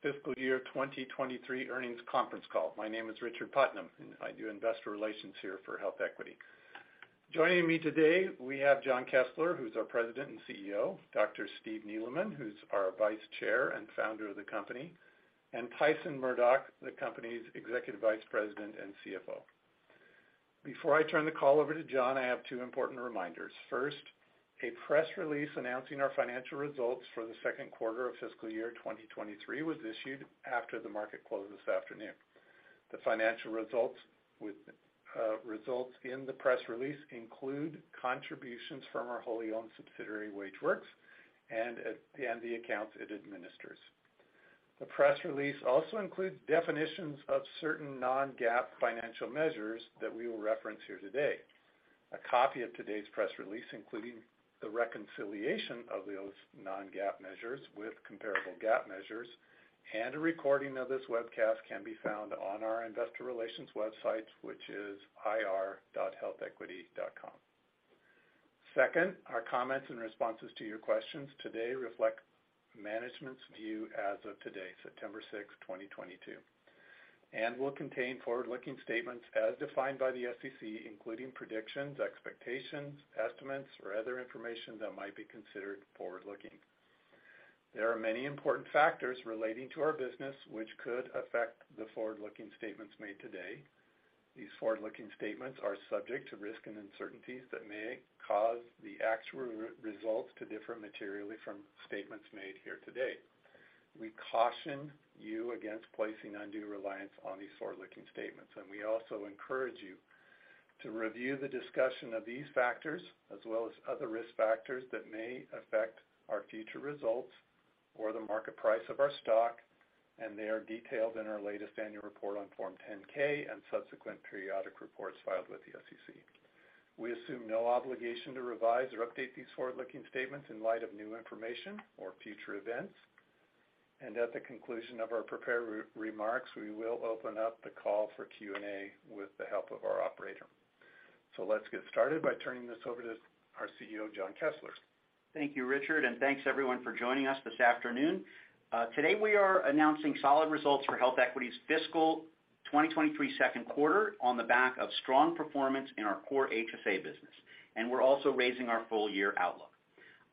Fiscal year 2023 earnings conference call. My name is Richard Putnam, and I do investor relations here for HealthEquity. Joining me today we have Jon Kessler, who is our President and CEO, Dr. Steve Neeleman, who is our Vice Chair and founder of the company, and Tyson Murdock, the company's Executive Vice President and CFO. Before I turn the call over to Jon, I have two important reminders. First, a press release announcing our financial results for the Q2 of fiscal year 2023 was issued after the market closed this afternoon. The financial results in the press release include contributions from our wholly owned subsidiary, WageWorks, and the accounts it administers. The press release also includes definitions of certain non-GAAP financial measures that we will reference here today. A copy of today's press release, including the reconciliation of those non-GAAP measures with comparable GAAP measures, and a recording of this webcast, can be found on our investor relations website, which is ir.healthequity.com. Second, our comments and responses to your questions today reflect management's view as of today, September 6th 2022, and will contain forward-looking statements as defined by the SEC, including predictions, expectations, estimates, or other information that might be considered forward-looking. There are many important factors relating to our business which could affect the forward-looking statements made today. These forward-looking statements are subject to risks and uncertainties that may cause the actual results to differ materially from statements made here today. We caution you against placing undue reliance on these forward-looking statements, and we also encourage you to review the discussion of these factors, as well as other risk factors that may affect our future results or the market price of our stock, and they are detailed in our latest annual report on Form 10-K and subsequent periodic reports filed with the SEC. We assume no obligation to revise or update these forward-looking statements in light of new information or future events. At the conclusion of our prepared remarks, we will open up the call for Q&A with the help of our operator. Let's get started by turning this over to our CEO, Jon Kessler. Thank you, Richard, and thanks, everyone, for joining us this afternoon. Today we are announcing solid results for HealthEquity's fiscal 2023 Q2 on the back of strong performance in our core HSA business, and we're also raising our full year outlook.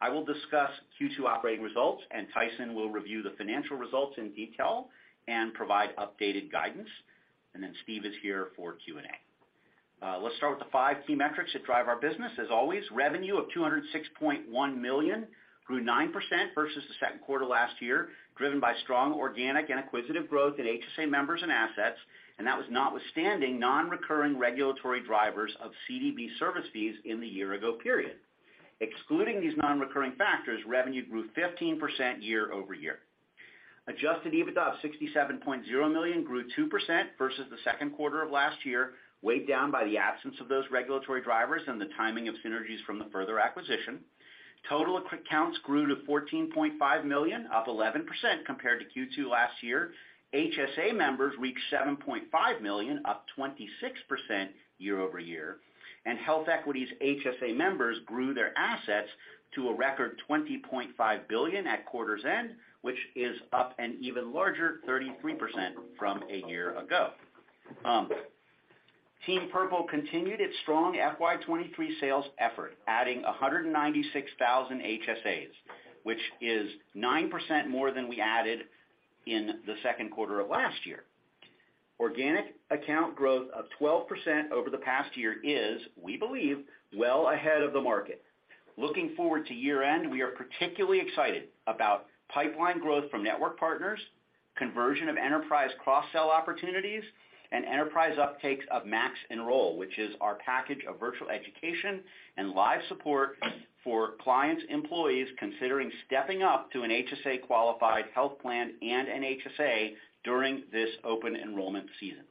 I will discuss Q2 operating results, and Tyson will review the financial results in detail and provide updated guidance. Steve is here for Q&A. Let's start with the five key metrics that drive our business. As always, revenue of $206.1 million grew 9% versus the Q2 last year, driven by strong organic and acquisitive growth in HSA members and assets, and that was notwithstanding non-recurring regulatory drivers of CDB service fees in the year ago period. Excluding these non-recurring factors, revenue grew 15% year-over-year. Adjusted EBITDA of $67.0 million grew 2% versus the Q2 of last year, weighed down by the absence of those regulatory drivers and the timing of synergies from the Further acquisition. Total accounts grew to 14.5 million, up 11% compared to Q2 last year. HSA members reached 7.5 million, up 26% year-over-year, and HealthEquity's HSA members grew their assets to a record $20.5 billion at quarter's end, which is up an even larger 33% from a year ago. Team Purple continued its strong FY 2023 sales effort, adding 196,000 HSAs, which is 9% more than we added in the Q2 of last year. Organic account growth of 12% over the past year is, we believe, well ahead of the market. Looking forward to year-end, we are particularly excited about pipeline growth from network partners, conversion of enterprise cross-sell opportunities, and enterprise uptakes of MaxEnroll, which is our package of virtual education and live support for clients' employees considering stepping up to an HSA-qualified health plan and an HSA during this open enrollment season.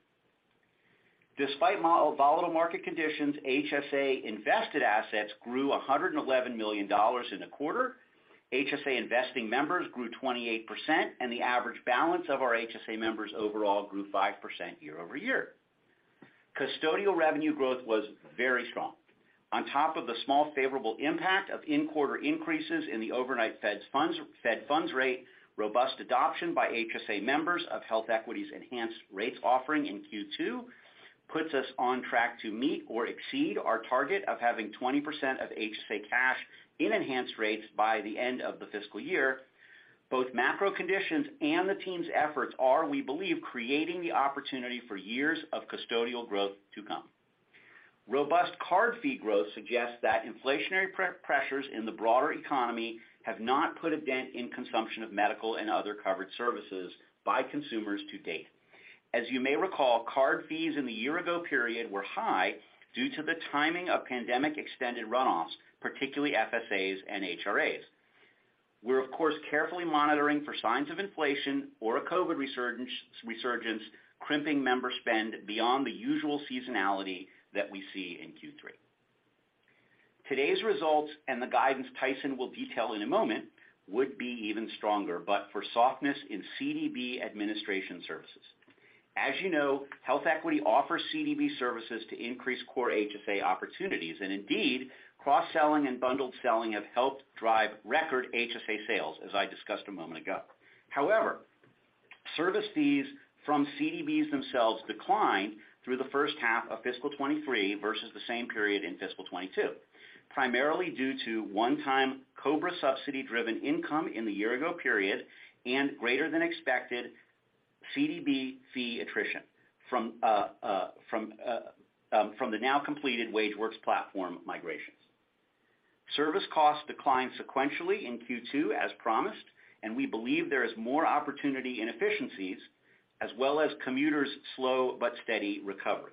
Despite more volatile market conditions, HSA invested assets grew $111 million in the quarter. HSA investing members grew 28%, and the average balance of our HSA members overall grew 5% year-over-year. Custodial revenue growth was very strong. On top of the small favorable impact of in-quarter increases in the overnight Fed funds rate, robust adoption by HSA members of HealthEquity's Enhanced Rates offering in Q2 puts us on track to meet or exceed our target of having 20% of HSA cash in Enhanced Rates by the end of the fiscal year. Both macro conditions and the team's efforts are, we believe, creating the opportunity for years of custodial growth to come. Robust card fee growth suggests that inflationary pressures in the broader economy have not put a dent in consumption of medical and other covered services by consumers to date. As you may recall, card fees in the year ago period were high due to the timing of pandemic extended runoffs, particularly FSAs and HRAs. We're of course carefully monitoring for signs of inflation or a COVID resurgence crimping member spend beyond the usual seasonality that we see in Q3. Today's results and the guidance Tyson will detail in a moment would be even stronger, but for softness in CDB administration services. As you know, HealthEquity offers CDB services to increase core HSA opportunities and indeed, cross-selling and bundled selling have helped drive record HSA sales, as I discussed a moment ago. However, service fees from CDBs themselves declined through the first half of fiscal 2023 versus the same period in fiscal 2022, primarily due to one-time COBRA subsidy driven income in the year ago period and greater than expected CDB fee attrition from the now completed WageWorks platform migrations. Service costs declined sequentially in Q2 as promised, and we believe there is more opportunity in efficiencies as well as commuters' slow but steady recovery.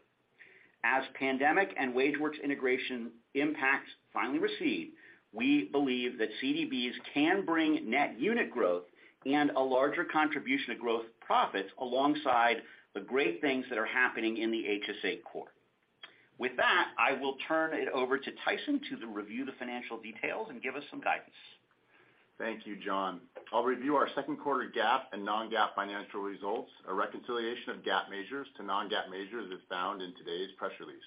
As pandemic and WageWorks integration impacts finally recede, we believe that CDBs can bring net unit growth and a larger contribution to growth profits alongside the great things that are happening in the HSA core. With that, I will turn it over to Tyson to review the financial details and give us some guidance. Thank you, Jon. I'll review our Q2 GAAP and non-GAAP financial results. A reconciliation of GAAP measures to non-GAAP measures is found in today's press release.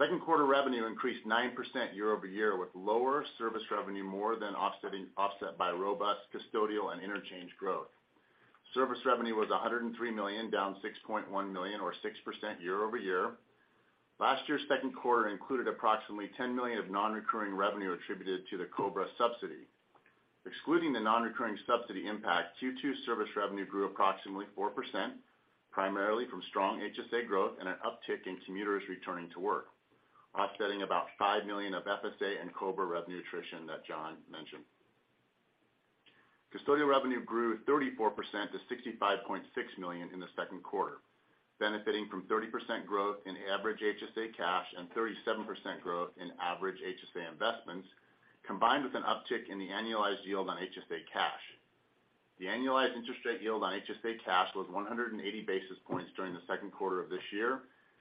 Q2 revenue increased 9% year-over-year, with lower service revenue more than offset by robust custodial and interchange growth. Service revenue was $103 million, down $6.1 million or 6% year-over-year. Last year's Q2 included approximately $10 million of non-recurring revenue attributed to the COBRA subsidy. Excluding the non-recurring subsidy impact, Q2 service revenue grew approximately 4%, primarily from strong HSA growth and an uptick in commuters returning to work, offsetting about $5 million of FSA and COBRA revenue attrition that Jon mentioned. Custodial revenue grew 34% to $65.6 million in the Q2, benefiting from 30% growth in average HSA cash and 37% growth in average HSA investments, combined with an uptick in the annualized yield on HSA cash. The annualized interest rate yield on HSA cash was 180 basis points during the Q2 of this year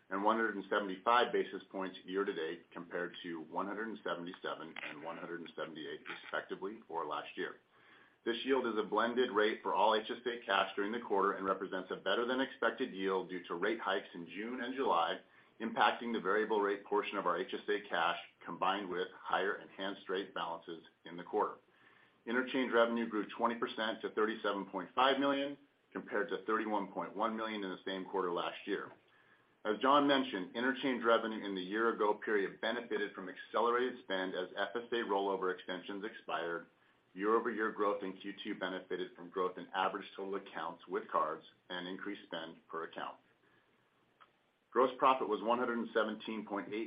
and 175 basis points year to date, compared to 177 and 178 respectively for last year. This yield is a blended rate for all HSA cash during the quarter and represents a better than expected yield due to rate hikes in June and July, impacting the variable rate portion of our HSA cash, combined with higher enhanced rate balances in the quarter. Interchange revenue grew 20% to $37.5 million, compared to $31.1 million in the same quarter last year. As Jon mentioned, interchange revenue in the year ago period benefited from accelerated spend as FSA rollover extensions expired. Year-over-year growth in Q2 benefited from growth in average total accounts with cards and increased spend per account. Gross profit was $117.8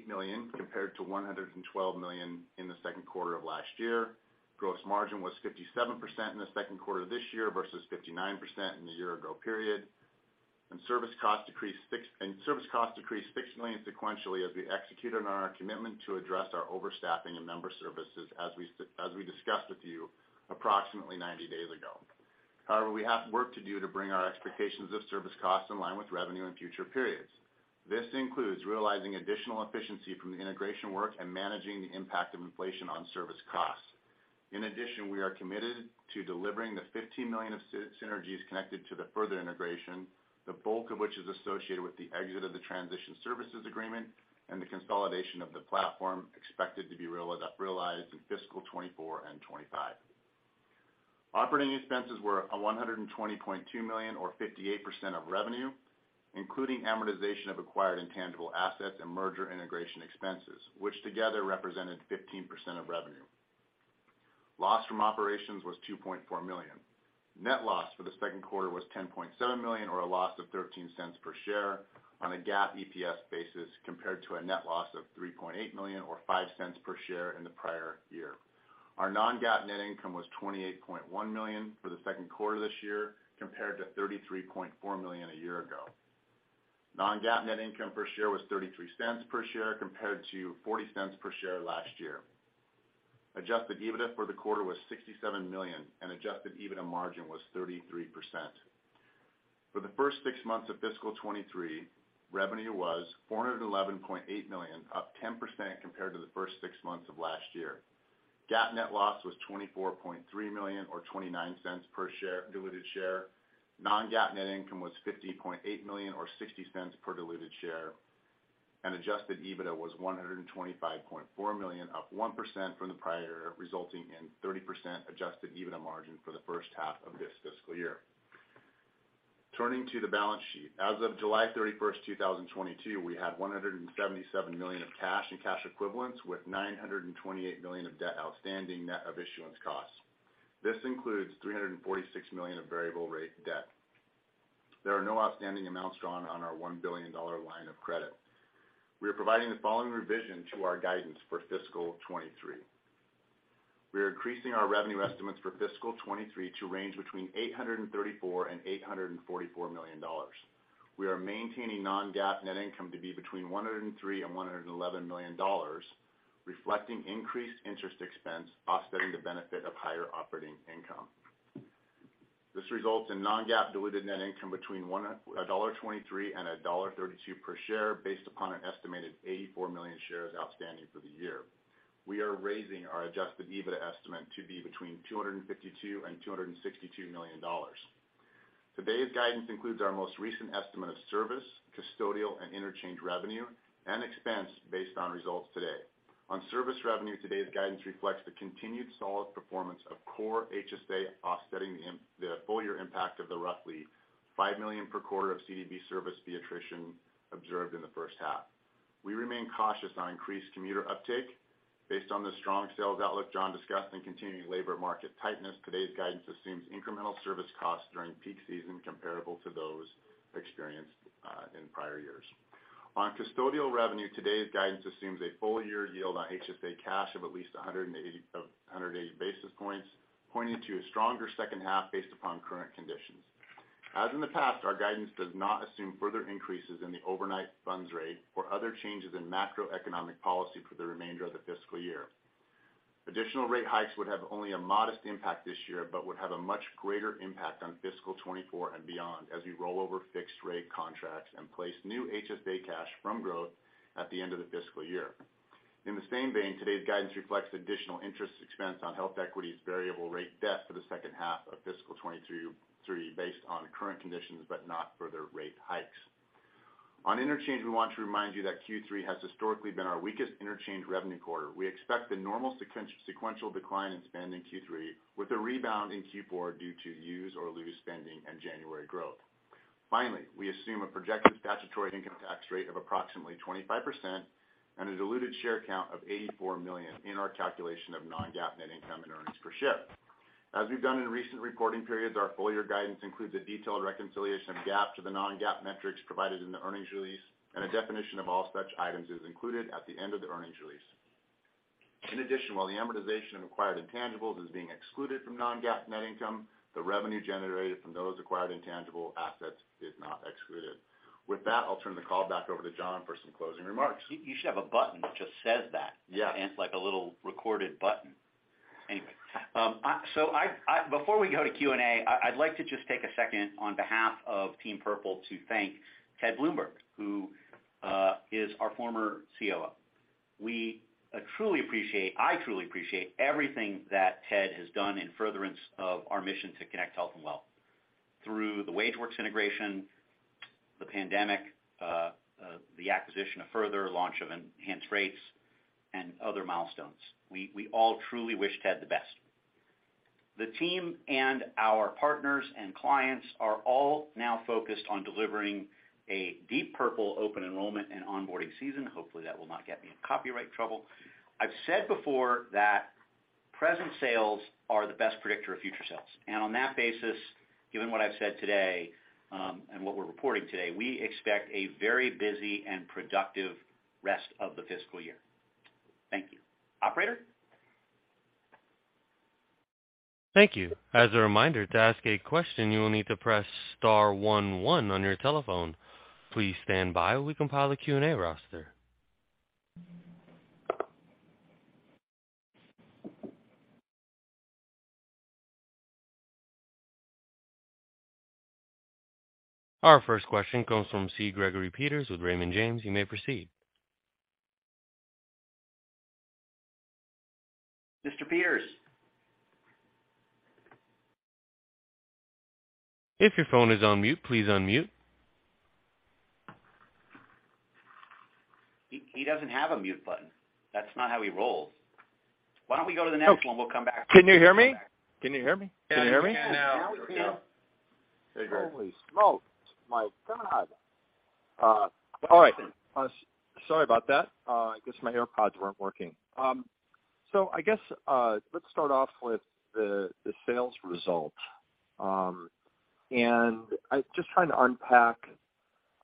million, compared to $112 million in the Q2 of last year. Gross margin was 57% in the Q2 this year versus 59% in the year ago period. Service costs decreased $6 million sequentially as we executed on our commitment to address our overstaffing in member services as we discussed with you approximately 90 days ago. However, we have work to do to bring our expectations of service costs in line with revenue in future periods. This includes realizing additional efficiency from the integration work and managing the impact of inflation on service costs. In addition, we are committed to delivering the $15 million of synergies connected to the Further integration, the bulk of which is associated with the exit of the transition services agreement and the consolidation of the platform expected to be realized in fiscal 2024 and 2025. Operating expenses were $120.2 million or 58% of revenue, including amortization of acquired intangible assets and merger integration expenses, which together represented 15% of revenue. Loss from operations was $2.4 million. Net loss for the Q2 was $10.7 million or a loss of $0.13 per share on a GAAP EPS basis compared to a net loss of $3.8 million or $0.05 per share in the prior year. Our non-GAAP net income was $28.1 million for the Q2 this year, compared to $33.4 million a year ago. Non-GAAP net income per share was $0.33 per share compared to $0.40 per share last year. Adjusted EBITDA for the quarter was $67 million and adjusted EBITDA margin was 33%. For the first six months of fiscal 2023, revenue was $411.8 million, up 10% compared to the first six months of last year. GAAP net loss was $24.3 million or $0.29 per share, diluted share. Non-GAAP net income was $50.8 million or $0.60 per diluted share, and adjusted EBITDA was $125.4 million, up 1% from the prior year, resulting in 30% adjusted EBITDA margin for the first half of this fiscal year. Turning to the balance sheet. As of July 31st 2022, we had $177 million of cash and cash equivalents with $928 million of debt outstanding net of issuance costs. This includes $346 million of variable rate debt. There are no outstanding amounts drawn on our $1 billion line of credit. We are providing the following revision to our guidance for fiscal 2023. We are increasing our revenue estimates for fiscal 2023 to range between $834 million and $844 million. We are maintaining non-GAAP net income to be between $103 million and $111 million, reflecting increased interest expense offsetting the benefit of higher operating income. This results in non-GAAP diluted net income between $1.23 and $1.32 per share based upon an estimated 84,000,000 shares outstanding for the year. We are raising our adjusted EBITDA estimate to be between $252 million and $262 million. Today's guidance includes our most recent estimate of service, custodial, and interchange revenue and expense based on results today. On service revenue, today's guidance reflects the continued solid performance of core HSA offsetting the full year impact of the roughly $5 million per quarter of CDB service fee attrition observed in the first half. We remain cautious on increased commuter uptake based on the strong sales outlook Jon discussed, and continuing labor market tightness. Today's guidance assumes incremental service costs during peak season comparable to those experienced in prior years. On custodial revenue, today's guidance assumes a full year yield on HSA cash of at least 180 basis points, pointing to a stronger second half based upon current conditions. As in the past, our guidance does not assume further increases in the Fed funds rate or other changes in macroeconomic policy for the remainder of the fiscal year. Additional rate hikes would have only a modest impact this year, but would have a much greater impact on fiscal 2024 and beyond as we roll over fixed rate contracts and place new HSA cash from growth at the end of the fiscal year. In the same vein, today's guidance reflects additional interest expense on HealthEquity's variable rate debt for the second half of fiscal 2023 based on current conditions, but not further rate hikes. On interchange, we want to remind you that Q3 has historically been our weakest interchange revenue quarter. We expect the normal sequential decline in spend in Q3 with a rebound in Q4 due to use or lose spending and January growth. Finally, we assume a projected statutory income tax rate of approximately 25% and a diluted share count of 84 million in our calculation of non-GAAP net income and earnings per share. As we've done in recent reporting periods, our full year guidance includes a detailed reconciliation of GAAP to the non-GAAP metrics provided in the earnings release, and a definition of all such items is included at the end of the earnings release. In addition, while the amortization of acquired intangibles is being excluded from non-GAAP net income, the revenue generated from those acquired intangible assets is not excluded. With that, I'll turn the call back over to Jon for some closing remarks. You should have a button that just says that. Yeah. It's like a little recorded button. Anyway, so I'd like to just take a second on behalf of Team Purple to thank Ted Bloomberg, who is our former COO. I truly appreciate everything that Ted has done in furtherance of our mission to connect health and wealth. Through the WageWorks integration, the pandemic, the acquisition of Further, launch of Enhanced Rates, and other milestones. We all truly wish Ted the best. The team and our partners and clients are all now focused on delivering a Deep Purple open enrollment and onboarding season. Hopefully, that will not get me in copyright trouble. I've said before that present sales are the best predictor of future sales. On that basis, given what I've said today, and what we're reporting today, we expect a very busy and productive rest of the fiscal year. Thank you. Operator? Thank you. As a reminder, to ask a question, you will need to press star one one on your telephone. Please stand by while we compile a Q&A roster. Our first question comes from C. Gregory Peters with Raymond James. You may proceed. Mr. Peters. If your phone is on mute, please unmute. He doesn't have a mute button. That's not how he rolls. Why don't we go to the next one? We'll come back. Can you hear me? Can you hear me? Can you hear me? We can now. Now we can. Holy smokes. My God. All right. Sorry about that. I guess my AirPods weren't working. I guess, let's start off with the sales result. Just trying to unpack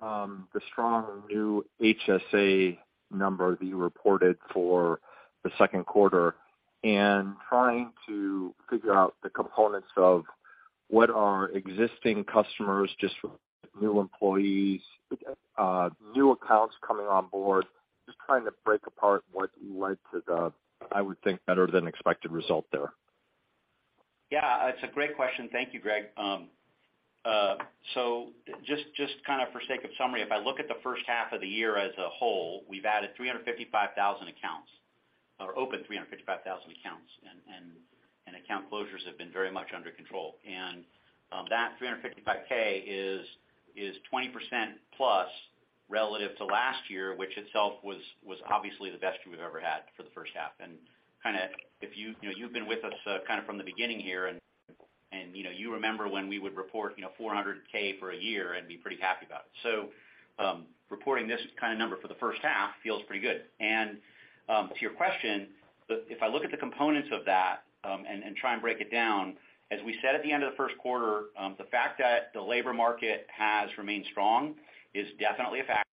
the strong new HSA number that you reported for the Q2, and trying to figure out the components of what are existing customers, just new employees, new accounts coming on board. Just trying to break apart what led to the I would think, better than expected result there. Yeah, it's a great question. Thank you, Greg. Just kind of for the sake of summary, if I look at the first half of the year as a whole, we've added 355,000 accounts, or opened 355,000 accounts, and account closures have been very much under control. That 355,000 is 20%+ relative to last year, which itself was obviously the best year we've ever had for the first half. Kind of if you know, you've been with us kind of from the beginning here, and you know, you remember when we would report you know, 400,000 for a year and be pretty happy about it. Reporting this kind of number for the first half feels pretty good. To your question, if I look at the components of that, and try and break it down, as we said at the end of the Q1, the fact that the labor market has remained strong is definitely a factor.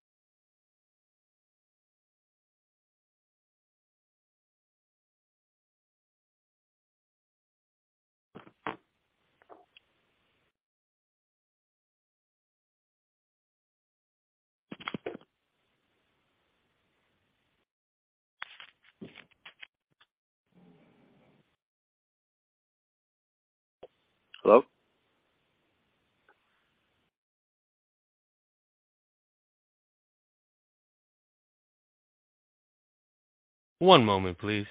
Hello? One moment, please.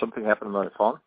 Something happened to my phone?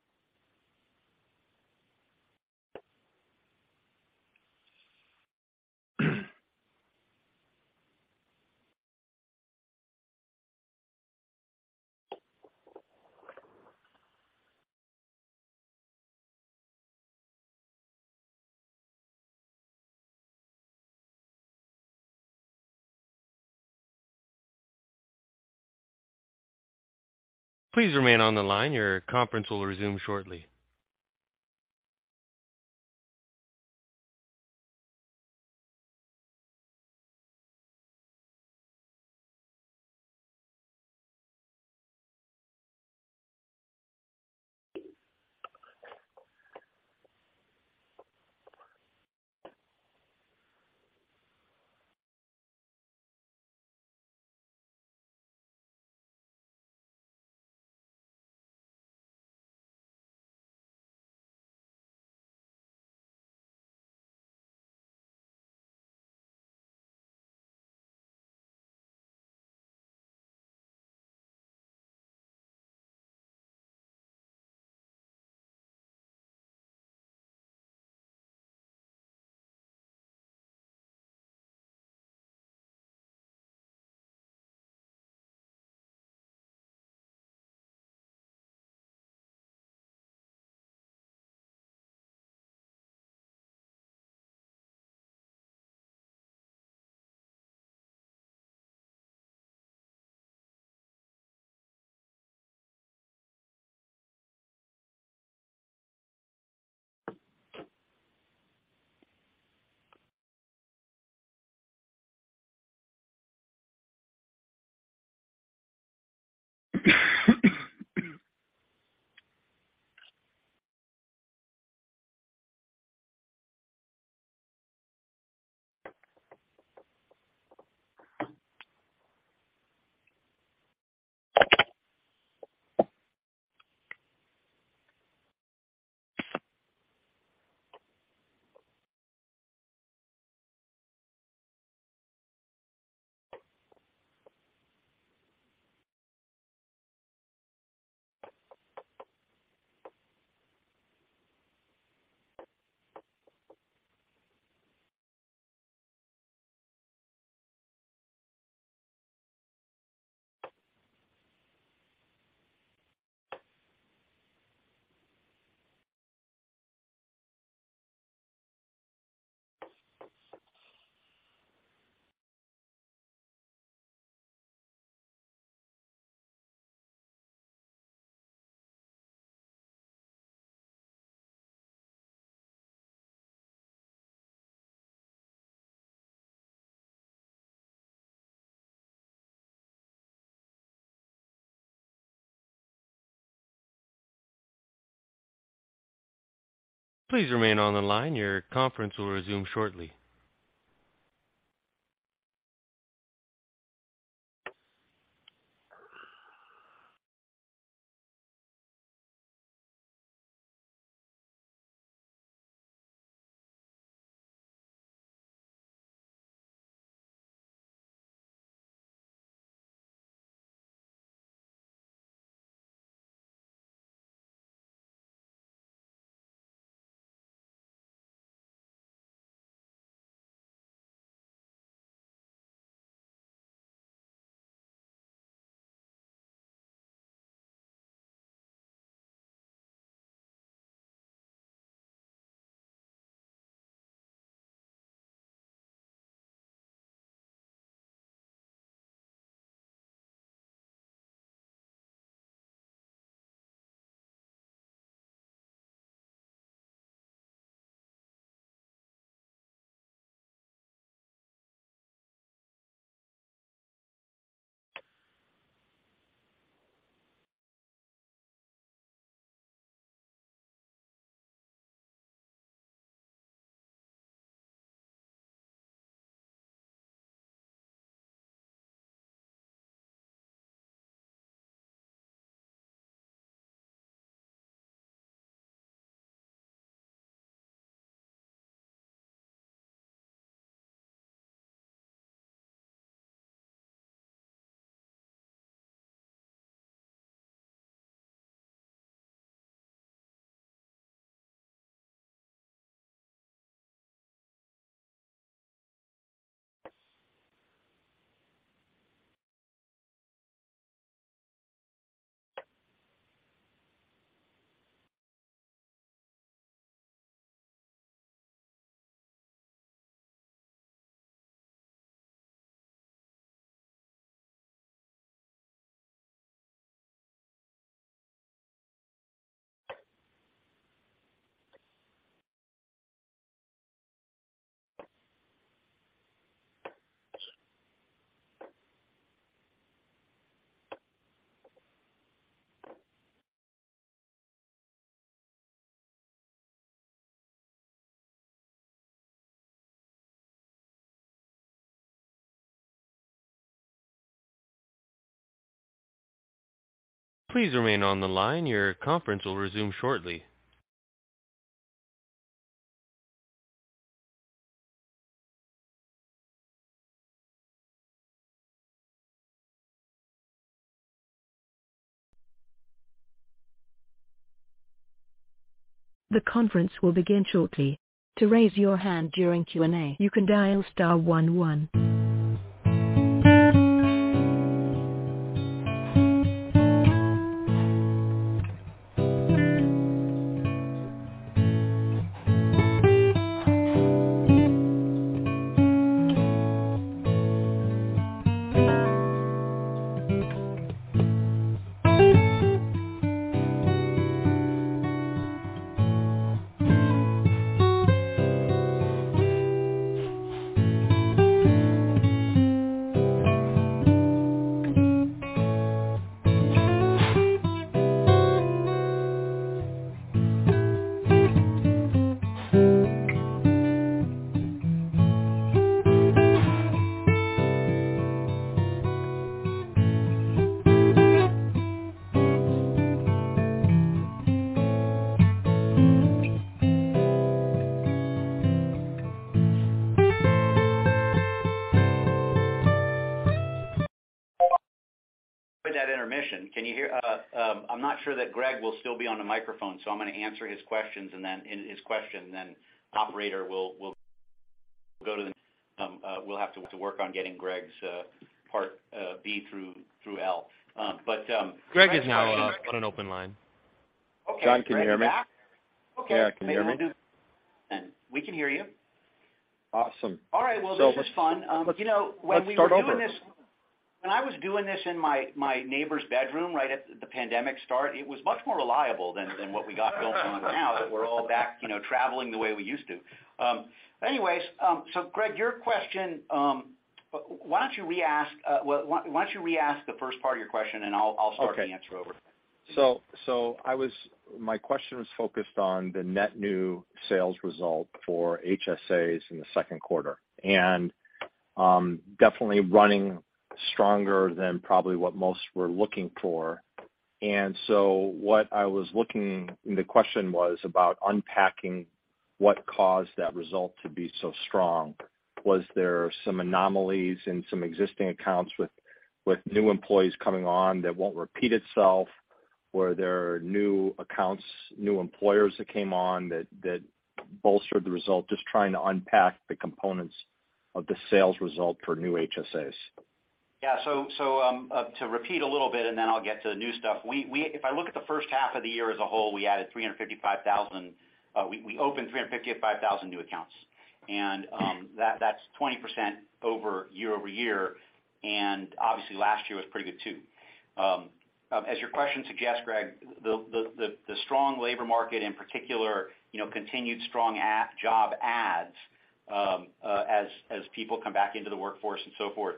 Please remain on the line. Your conference will resume shortly. Please remain on the line. Your conference will resume shortly. The conference will begin shortly. To raise your hand during Q&A, you can dial star one one. With that intermission, can you hear? I'm not sure that Greg will still be on the microphone, so I'm gonna answer his question, then operator will go to the. We'll have to work on getting Greg's part B through L. Greg is now on an open line. Jon, can you hear me? Is Greg back? Yeah. Can you hear me? Okay. We can hear you. Awesome. All right. Well, this was fun. So let- You know, when we were doing this. Let's start over. When I was doing this in my neighbor's bedroom right at the pandemic start, it was much more reliable than what we got going on now that we're all back, you know, traveling the way we used to. Anyways, Greg, your question, why don't you re-ask the first part of your question, and I'll start the answer over. My question was focused on the net new sales result for HSAs in the Q2, and definitely running stronger than probably what most were looking for. The question was about unpacking what caused that result to be so strong. Was there some anomalies in some existing accounts with new employees coming on that won't repeat itself? Were there new accounts, new employers that came on that bolstered the result? Just trying to unpack the components of the sales result for new HSAs. Yeah. To repeat a little bit, and then I'll get to new stuff. If I look at the first half of the year as a whole, we added 355,000. We opened 355,000 new accounts. That's 20% year-over-year, and obviously, last year was pretty good too. As your question suggests, Greg, the strong labor market in particular, you know, continued strong job ads, as people come back into the workforce and so forth,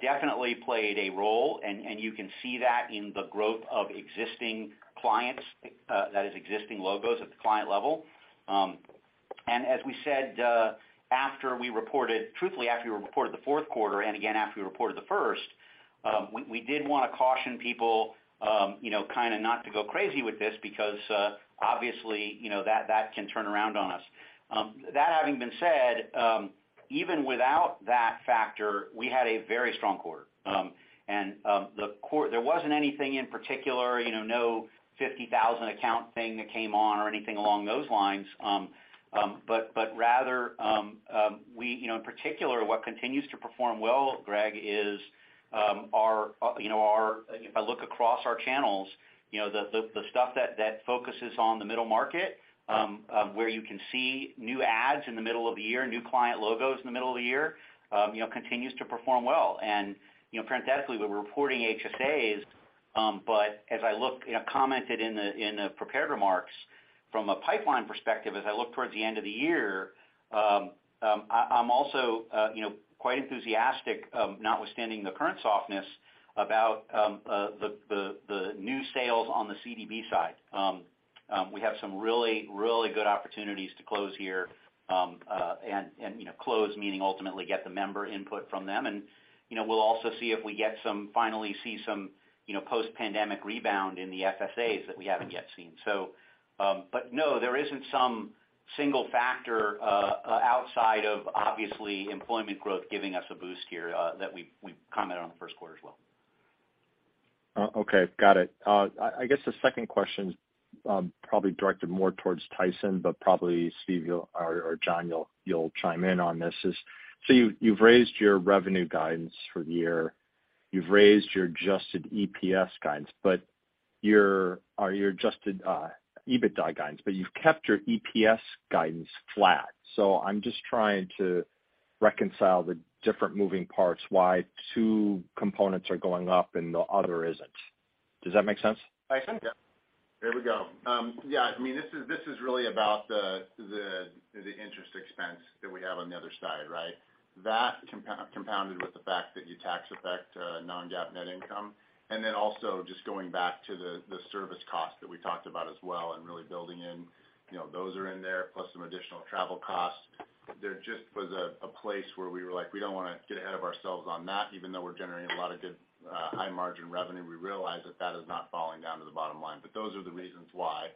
definitely played a role. You can see that in the growth of existing clients, that is existing logos at the client level. As we said, after we reported. Truthfully, after we reported the Q4 and again after we reported the first, we did wanna caution people, you know, kinda not to go crazy with this because, obviously, you know, that can turn around on us. That having been said, even without that factor, we had a very strong quarter. There wasn't anything in particular, you know, no 50,000 account thing that came on or anything along those lines. Rather, you know, in particular, what continues to perform well, Greg, is our, you know, our. If I look across our channels, you know, the stuff that focuses on the middle market, where you can see new adds in the middle of the year, new client logos in the middle of the year, you know, continues to perform well. You know, parenthetically, we're reporting HSAs, but as I look, you know, as commented in the prepared remarks, from a pipeline perspective, as I look towards the end of the year, I'm also, you know, quite enthusiastic, notwithstanding the current softness about the new sales on the CDB side. We have some really good opportunities to close here, and, you know, close meaning ultimately get the member input from them. You know, we'll also see if we get some. Finally see some, you know, post-pandemic rebound in the FSAs that we haven't yet seen. There isn't some single factor outside of obviously employment growth giving us a boost here that we commented on the Q1 as well. Okay. Got it. I guess the second question's probably directed more towards Tyson, but probably Steve you'll or Jon you'll chime in on this, so you've raised your revenue guidance for the year. You've raised your adjusted EPS guidance, but your adjusted EBITDA guidance, but you've kept your EPS guidance flat. I'm just trying to reconcile the different moving parts, why two components are going up and the other isn't. Does that make sense? Tyson? Yeah. There we go. Yeah, I mean, this is really about the interest expense that we have on the other side, right? That compounded with the fact that you tax effect non-GAAP net income, and then also just going back to the service cost that we talked about as well, and really building in, you know, those are in there, plus some additional travel costs. There just was a place where we were like, we don't wanna get ahead of ourselves on that, even though we're generating a lot of good high margin revenue. We realize that that is not falling down to the bottom line. Those are the reasons why.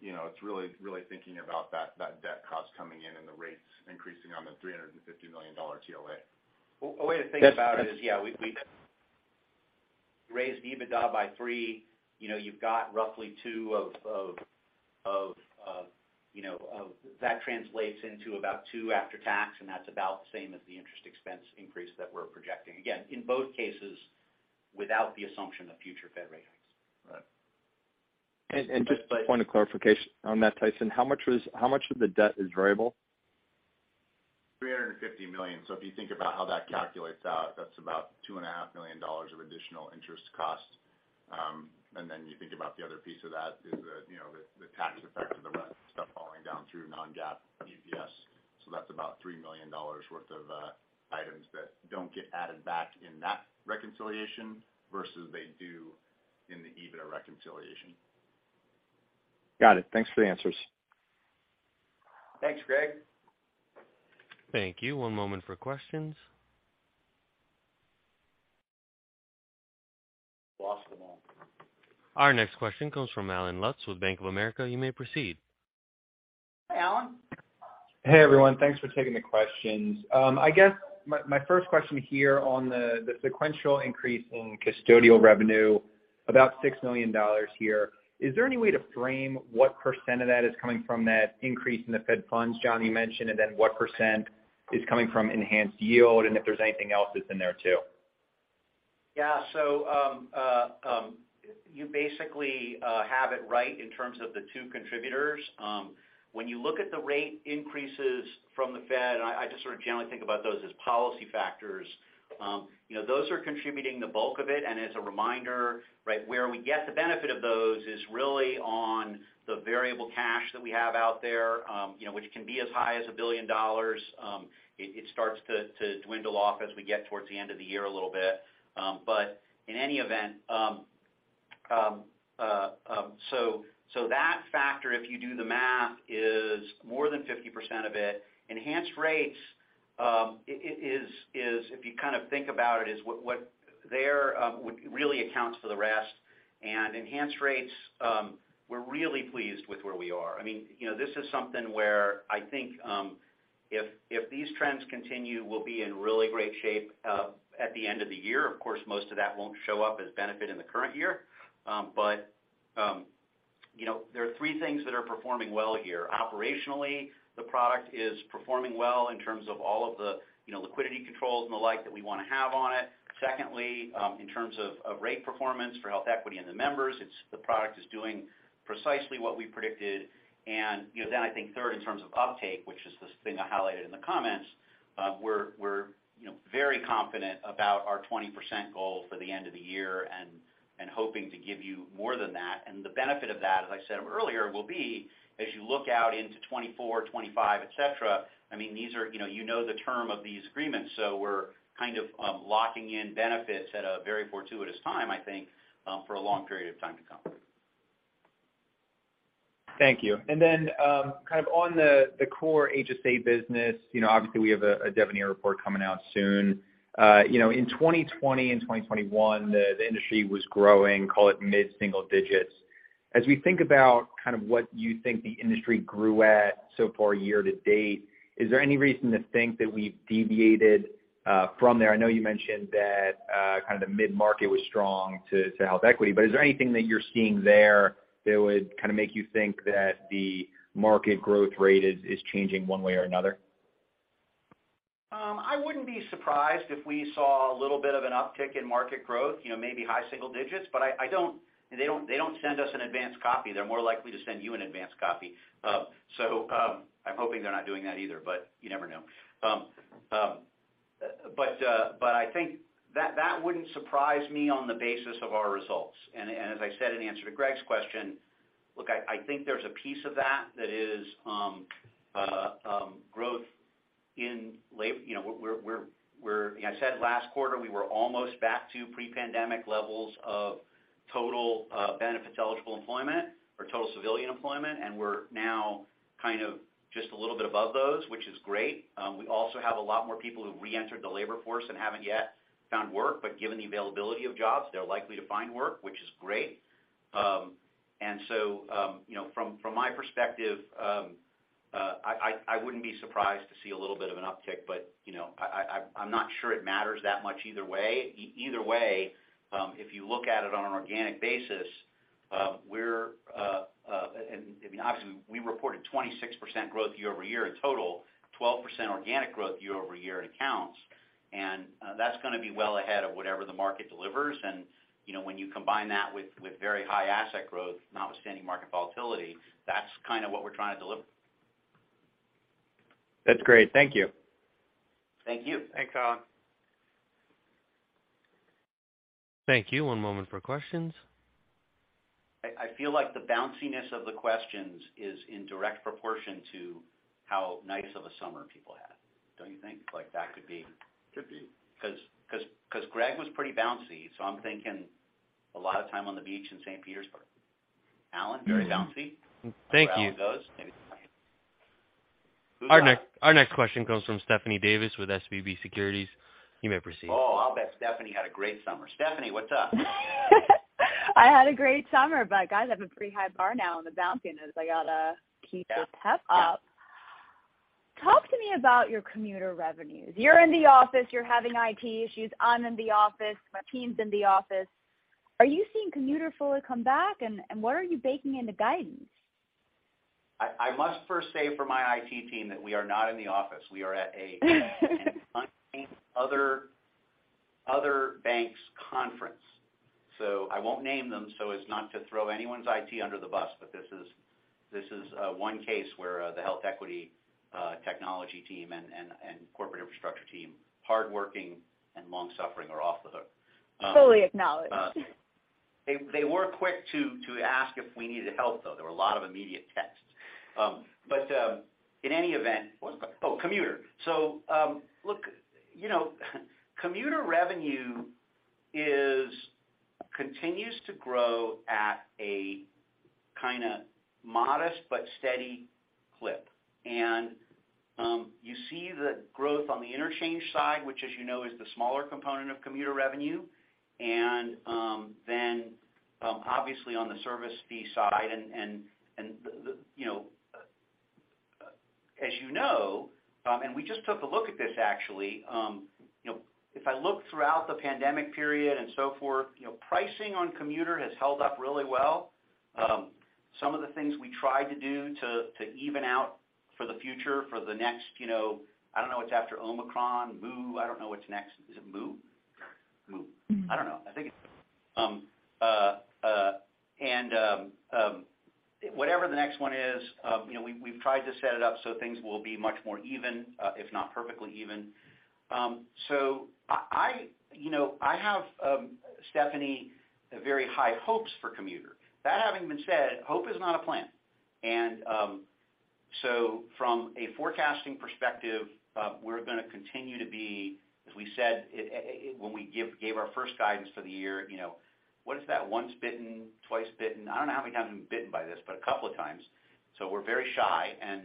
You know, it's really thinking about that debt cost coming in and the rates increasing on the $350 million TOA. A way to think about it is, yeah, we raised EBITDA by three. You know, you've got roughly two of, you know, of. That translates into about two after tax, and that's about the same as the interest expense increase that we're projecting. Again, in both cases without the assumption of future Fed rate hikes. Right. Just a point of clarification on that, Tyson. How much of the debt is variable? $350 million. If you think about how that calculates out, that's about $2.5 million of additional interest cost. And then you think about the other piece of that is the, you know, the tax effect of the rest of stuff falling down through non-GAAP EPS. That's about $3 million worth of items that don't get added back in that reconciliation versus they do in the EBITDA reconciliation. Got it. Thanks for the answers. Thanks, Greg. Thank you. One moment for questions. Lost them all. Our next question comes from Allen Lutz with Bank of America. You may proceed. Hi, Allen. Hey, everyone. Thanks for taking the questions. I guess my first question here on the sequential increase in custodial revenue, about $6 million here. Is there any way to frame what percent of that is coming from that increase in the Fed funds, Jon, you mentioned, and then what percent is coming from enhanced yield, and if there's anything else that's in there too? Yeah. You basically have it right in terms of the two contributors. When you look at the rate increases from the Fed, I just sort of generally think about those as policy factors. You know, those are contributing the bulk of it. As a reminder, right, where we get the benefit of those is really on the variable cash that we have out there, you know, which can be as high as $1 billion. It starts to dwindle off as we get towards the end of the year a little bit. In any event, that factor, if you do the math, is more than 50% of it. Enhanced Rates is, if you kind of think about it, what really accounts for the rest. Enhanced Rates, we're really pleased with where we are. I mean, you know, this is something where I think if these trends continue, we'll be in really great shape at the end of the year. Of course, most of that won't show up as benefit in the current year. You know, there are three things that are performing well here. Operationally, the product is performing well in terms of all of the, you know, liquidity controls and the like that we wanna have on it. Secondly, in terms of rate performance for HealthEquity and the members, it's. The product is doing precisely what we predicted. You know, then I think third in terms of uptake, which is this thing I highlighted in the comments, we're, you know, very confident about our 20% goal for the end of the year and hoping to give you more than that. The benefit of that, as I said earlier, will be as you look out into 2024, 2025, et cetera, I mean, these are, you know, you know the term of these agreements, so we're kind of locking in benefits at a very fortuitous time, I think, for a long period of time to come. Thank you. Then, kind of on the core HSA business, you know, obviously we have a Devenir report coming out soon. You know, in 2020 and 2021, the industry was growing, call it mid-single digits. As we think about kind of what you think the industry grew at so far year to date, is there any reason to think that we've deviated from there? I know you mentioned that kind of the mid-market was strong to HealthEquity, but is there anything that you're seeing there that would kinda make you think that the market growth rate is changing one way or another? I wouldn't be surprised if we saw a little bit of an uptick in market growth, you know, maybe high single digits, but they don't send us an advanced copy. They're more likely to send you an advanced copy. I'm hoping they're not doing that either, but you never know. I think that wouldn't surprise me on the basis of our results. As I said in answer to Greg's question, look, I think there's a piece of that is growth in labor. You know, we're like I said, last quarter, we were almost back to pre-pandemic levels of total benefits eligible employment or total civilian employment, and we're now kind of just a little bit above those, which is great. We also have a lot more people who've reentered the labor force and haven't yet found work, but given the availability of jobs, they're likely to find work, which is great. You know, from my perspective, I wouldn't be surprised to see a little bit of an uptick, but you know, I'm not sure it matters that much either way. Either way, if you look at it on an organic basis, we're I mean, obviously, we reported 26% growth year over year in total, 12% organic growth year over year in accounts. That's gonna be well ahead of whatever the market delivers. You know, when you combine that with very high asset growth, notwithstanding market volatility, that's kind of what we're trying to deliver. That's great. Thank you. Thank you. Thanks, Allen. Thank you. One moment for questions. I feel like the bounciness of the questions is in direct proportion to how nice of a summer people had. Don't you think? Like, that could be. Could be. 'Cause Greg was pretty bouncy, so I'm thinking a lot of time on the beach in St. Petersburg. Allen, very bouncy. Thank you. However that goes. Our next question comes from Stephanie Davis with SVB Securities. You may proceed. Oh, I'll bet Stephanie had a great summer. Stephanie, what's up? I had a great summer, but guys, I have a pretty high bar now on the bounciness. I gotta keep the pep up. Talk to me about your commuter revenues. You're in the office, you're having IT issues. I'm in the office. My team's in the office. Are you seeing commuter fully come back? And what are you baking into guidance? I must first say for my IT team that we are not in the office. We are at a other bank's conference. I won't name them so as not to throw anyone's IT under the bus. This is one case where the HealthEquity technology team and corporate infrastructure team, hardworking and long-suffering, are off the hook. Fully acknowledged. They were quick to ask if we needed help, though. There were a lot of immediate texts. In any event, commuter. Look, you know, commuter revenue continues to grow at a kinda modest but steady clip. You see the growth on the interchange side, which as you know, is the smaller component of commuter revenue. Obviously on the service fee side and the, you know. As you know, we just took a look at this, actually. You know, if I look throughout the pandemic period and so forth, you know, pricing on commuter has held up really well. Some of the things we tried to do to even out for the future for the next, you know, I don't know what's after Omicron, Mu. I don't know what's next. Is it Mu? Mu. I don't know. I think it's whatever the next one is, you know, we've tried to set it up so things will be much more even, if not perfectly even. So I, you know, I have, Stephanie, very high hopes for commuter. That having been said, hope is not a plan. So from a forecasting perspective, we're gonna continue to be, as we said, when we gave our first guidance for the year. You know, what is that once bitten, twice bitten? I don't know how many times we've been bitten by this, but a couple of times. We're very shy and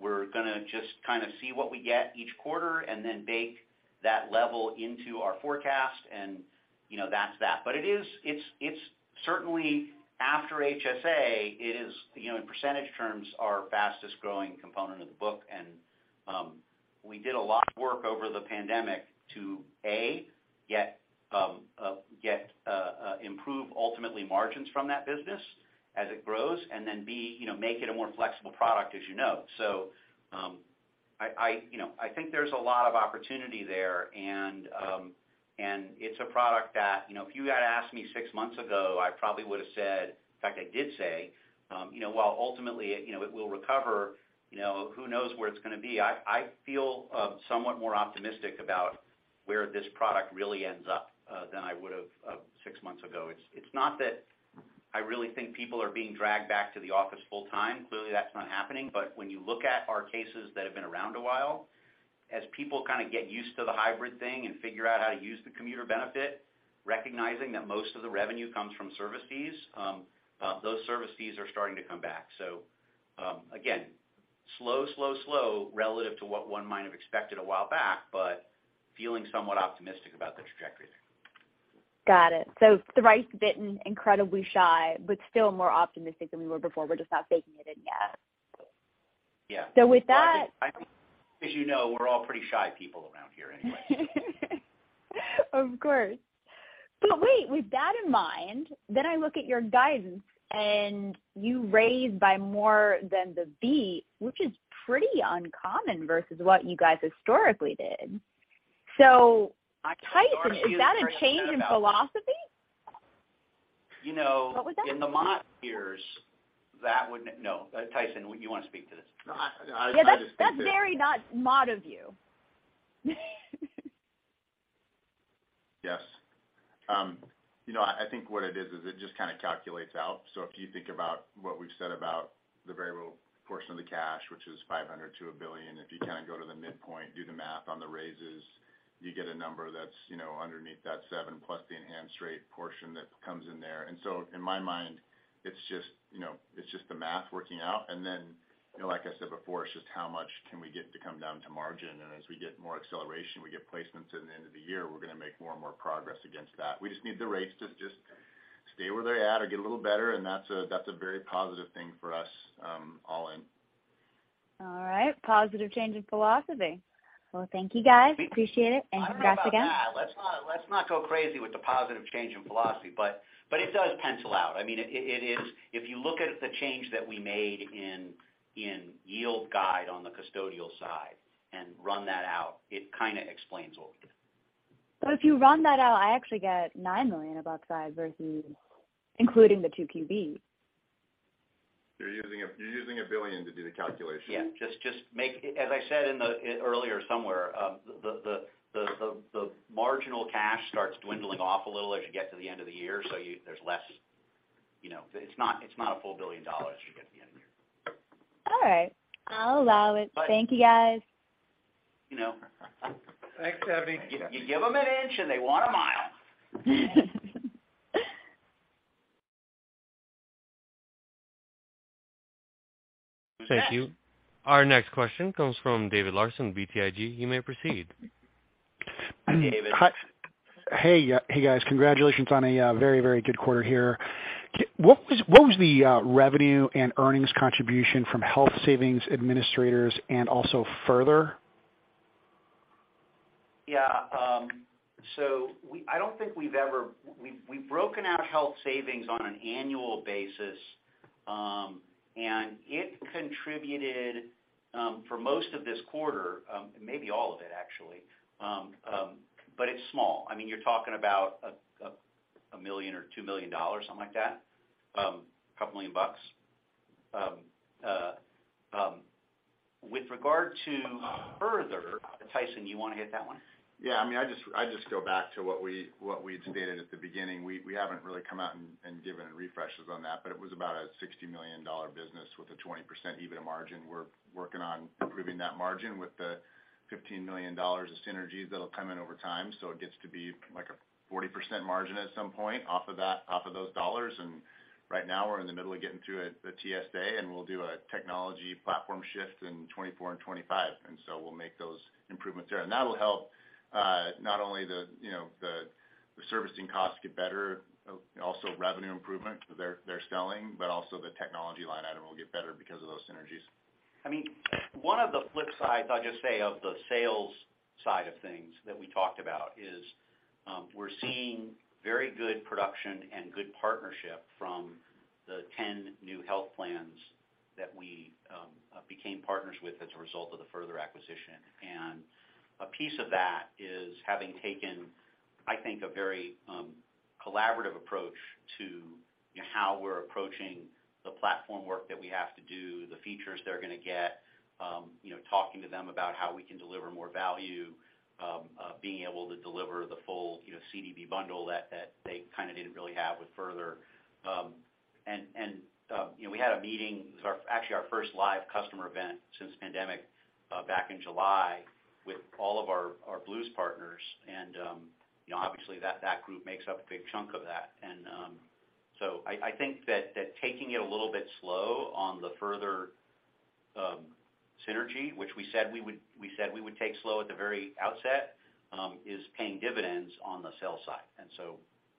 we're gonna just kinda see what we get each quarter and then bake that level into our forecast and, you know, that's that. It is. It's certainly after HSA, you know, in percentage terms, our fastest-growing component of the book. We did a lot of work over the pandemic to, A, improve ultimately margins from that business as it grows, and then B, you know, make it a more flexible product as you know. I, you know, I think there's a lot of opportunity there. It's a product that, you know, if you had asked me six months ago, I probably would've said, in fact, I did say, you know, while ultimately, you know, it will recover, you know, who knows where it's gonna be. I feel somewhat more optimistic about where this product really ends up than I would've six months ago. It's not that I really think people are being dragged back to the office full-time. Clearly, that's not happening. When you look at our cases that have been around a while, as people kinda get used to the hybrid thing and figure out how to use the commuter benefit, recognizing that most of the revenue comes from service fees, those service fees are starting to come back. Again, slow, relative to what one might have expected a while back, but feeling somewhat optimistic about the trajectory there. Got it. Thrice bitten, incredibly shy, but still more optimistic than we were before. We're just not baking it in yet. Yeah. With that. As you know, we're all pretty shy people around here anyway. Of course. Wait, with that in mind, then I look at your guidance and you raised by more than the beat, which is pretty uncommon versus what you guys historically did. I can't argue [crosstalk. Tyson, is that a change in philosophy? You know. What was that? In the Mott years, that wouldn't. No. Tyson, you wanna speak to this? No, I. Yeah. That's very not Mott of you. Yes. I think what it is is it just kinda calculates out. If you think about what we've said about the variable portion of the cash, which is $500 million-$1 billion. If you kinda go to the midpoint, do the math on the raises, you get a number that's, you know, underneath that 7+ the enhanced rate portion that comes in there. In my mind, it's just, you know, it's just the math working out. Like I said before, it's just how much can we get to come down to margin. As we get more acceleration, we get placements at the end of the year, we're gonna make more and more progress against that. We just need the rates to just stay where they're at or get a little better, and that's a very positive thing for us, all in. All right. Positive change in philosophy. Well, thank you, guys. Appreciate it. Congrats again. I don't know about that. Let's not go crazy with the positive change in philosophy. It does pencil out. I mean, it is. If you look at the change that we made in yield guide on the custodial side and run that out, it kinda explains what we did. If you run that out, I actually get $9 million above $5 versus including the 2QB. You're using $1 billion to do the calculation. As I said earlier somewhere, the marginal cash starts dwindling off a little as you get to the end of the year. There's less, you know. It's not $1 billion as you get to the end of the year. All right, I'll allow it. Thank you, guys. You know. Thanks, Stephanie. You give them an inch, and they want a mile. Thank you. Our next question comes from David Larsen, BTIG. You may proceed. Hi, David. Hi. Hey, hey, guys. Congratulations on a very, very good quarter here. What was the revenue and earnings contribution from Health Savings Administrators and also Further? We've broken out health savings on an annual basis, and it contributed for most of this quarter, maybe all of it, actually. It's small. I mean, you're talking about $1 million or $2 million, something like that, a couple million bucks. With regard to Further, Tyson, you wanna hit that one? Yeah. I mean, I just go back to what we'd stated at the beginning. We haven't really come out and given refreshes on that, but it was about a $60 million business with a 20% EBITDA margin. We're working on improving that margin with the $15 million of synergies that'll come in over time. It gets to be like a 40% margin at some point off of that, off of those dollars. Right now we're in the middle of getting through the TSA, and we'll do a technology platform shift in 2024 and 2025. We'll make those improvements there. That'll help not only the servicing costs get better, you know, also revenue improvement, there as well, but also the technology line item will get better because of those synergies. I mean, one of the flip sides, I'll just say, of the sales side of things that we talked about is, we're seeing very good production and good partnership from the 10 new health plans that we became partners with as a result of the Further acquisition. A piece of that is having taken, I think, a very collaborative approach to how we're approaching the platform work that we have to do, the features they're gonna get, you know, talking to them about how we can deliver more value, being able to deliver the full, you know, CDB bundle that they kinda didn't really have with Further. We had a meeting. It was actually our first live customer event since pandemic back in July with all of our Blues partners. You know, obviously that group makes up a big chunk of that. I think that taking it a little bit slow on the Further synergy, which we said we would take slow at the very outset, is paying dividends on the sales side.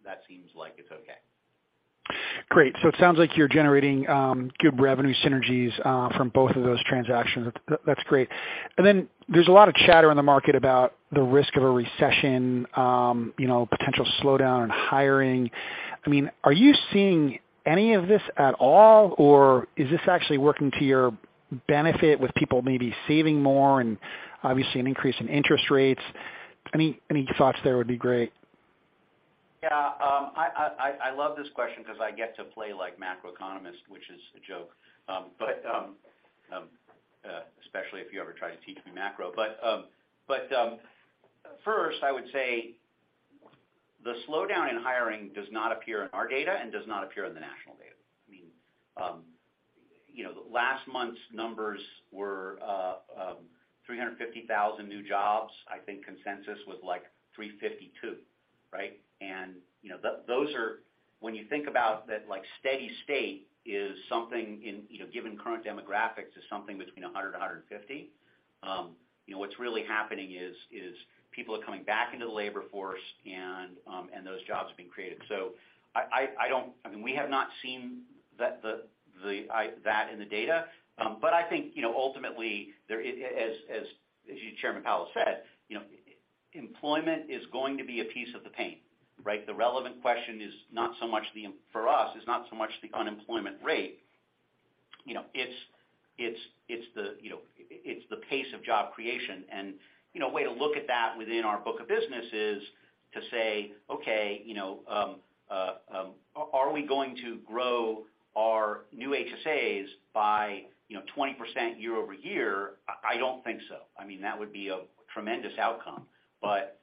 That seems like it's okay. Great. So it sounds like you're generating good revenue synergies from both of those transactions. That's great. Then there's a lot of chatter in the market about the risk of a recession, you know, potential slowdown in hiring. I mean, are you seeing any of this at all, or is this actually working to your benefit with people maybe saving more and obviously an increase in interest rates? Any thoughts there would be great. Yeah. I love this question 'cause I get to play like macroeconomist, which is a joke, but especially if you ever try to teach me macro. First, I would say the slowdown in hiring does not appear in our data and does not appear in the national data. I mean, you know, last month's numbers were 350,000 new jobs. I think consensus was like 352, right? You know, those are. When you think about that like steady state is something, you know, given current demographics, between 100-150, you know, what's really happening is people are coming back into the labor force and those jobs are being created. I don't, I mean, we have not seen that in the data. But I think, you know, ultimately, there is, as Chairman Powell said, you know, employment is going to be a piece of the pain, right? The relevant question is not so much for us, is not so much the unemployment rate. You know, it's the pace of job creation. You know, a way to look at that within our book of business is to say, okay, you know, are we going to grow our new HSAs by, you know, 20% year-over-year? I don't think so. I mean, that would be a tremendous outcome. But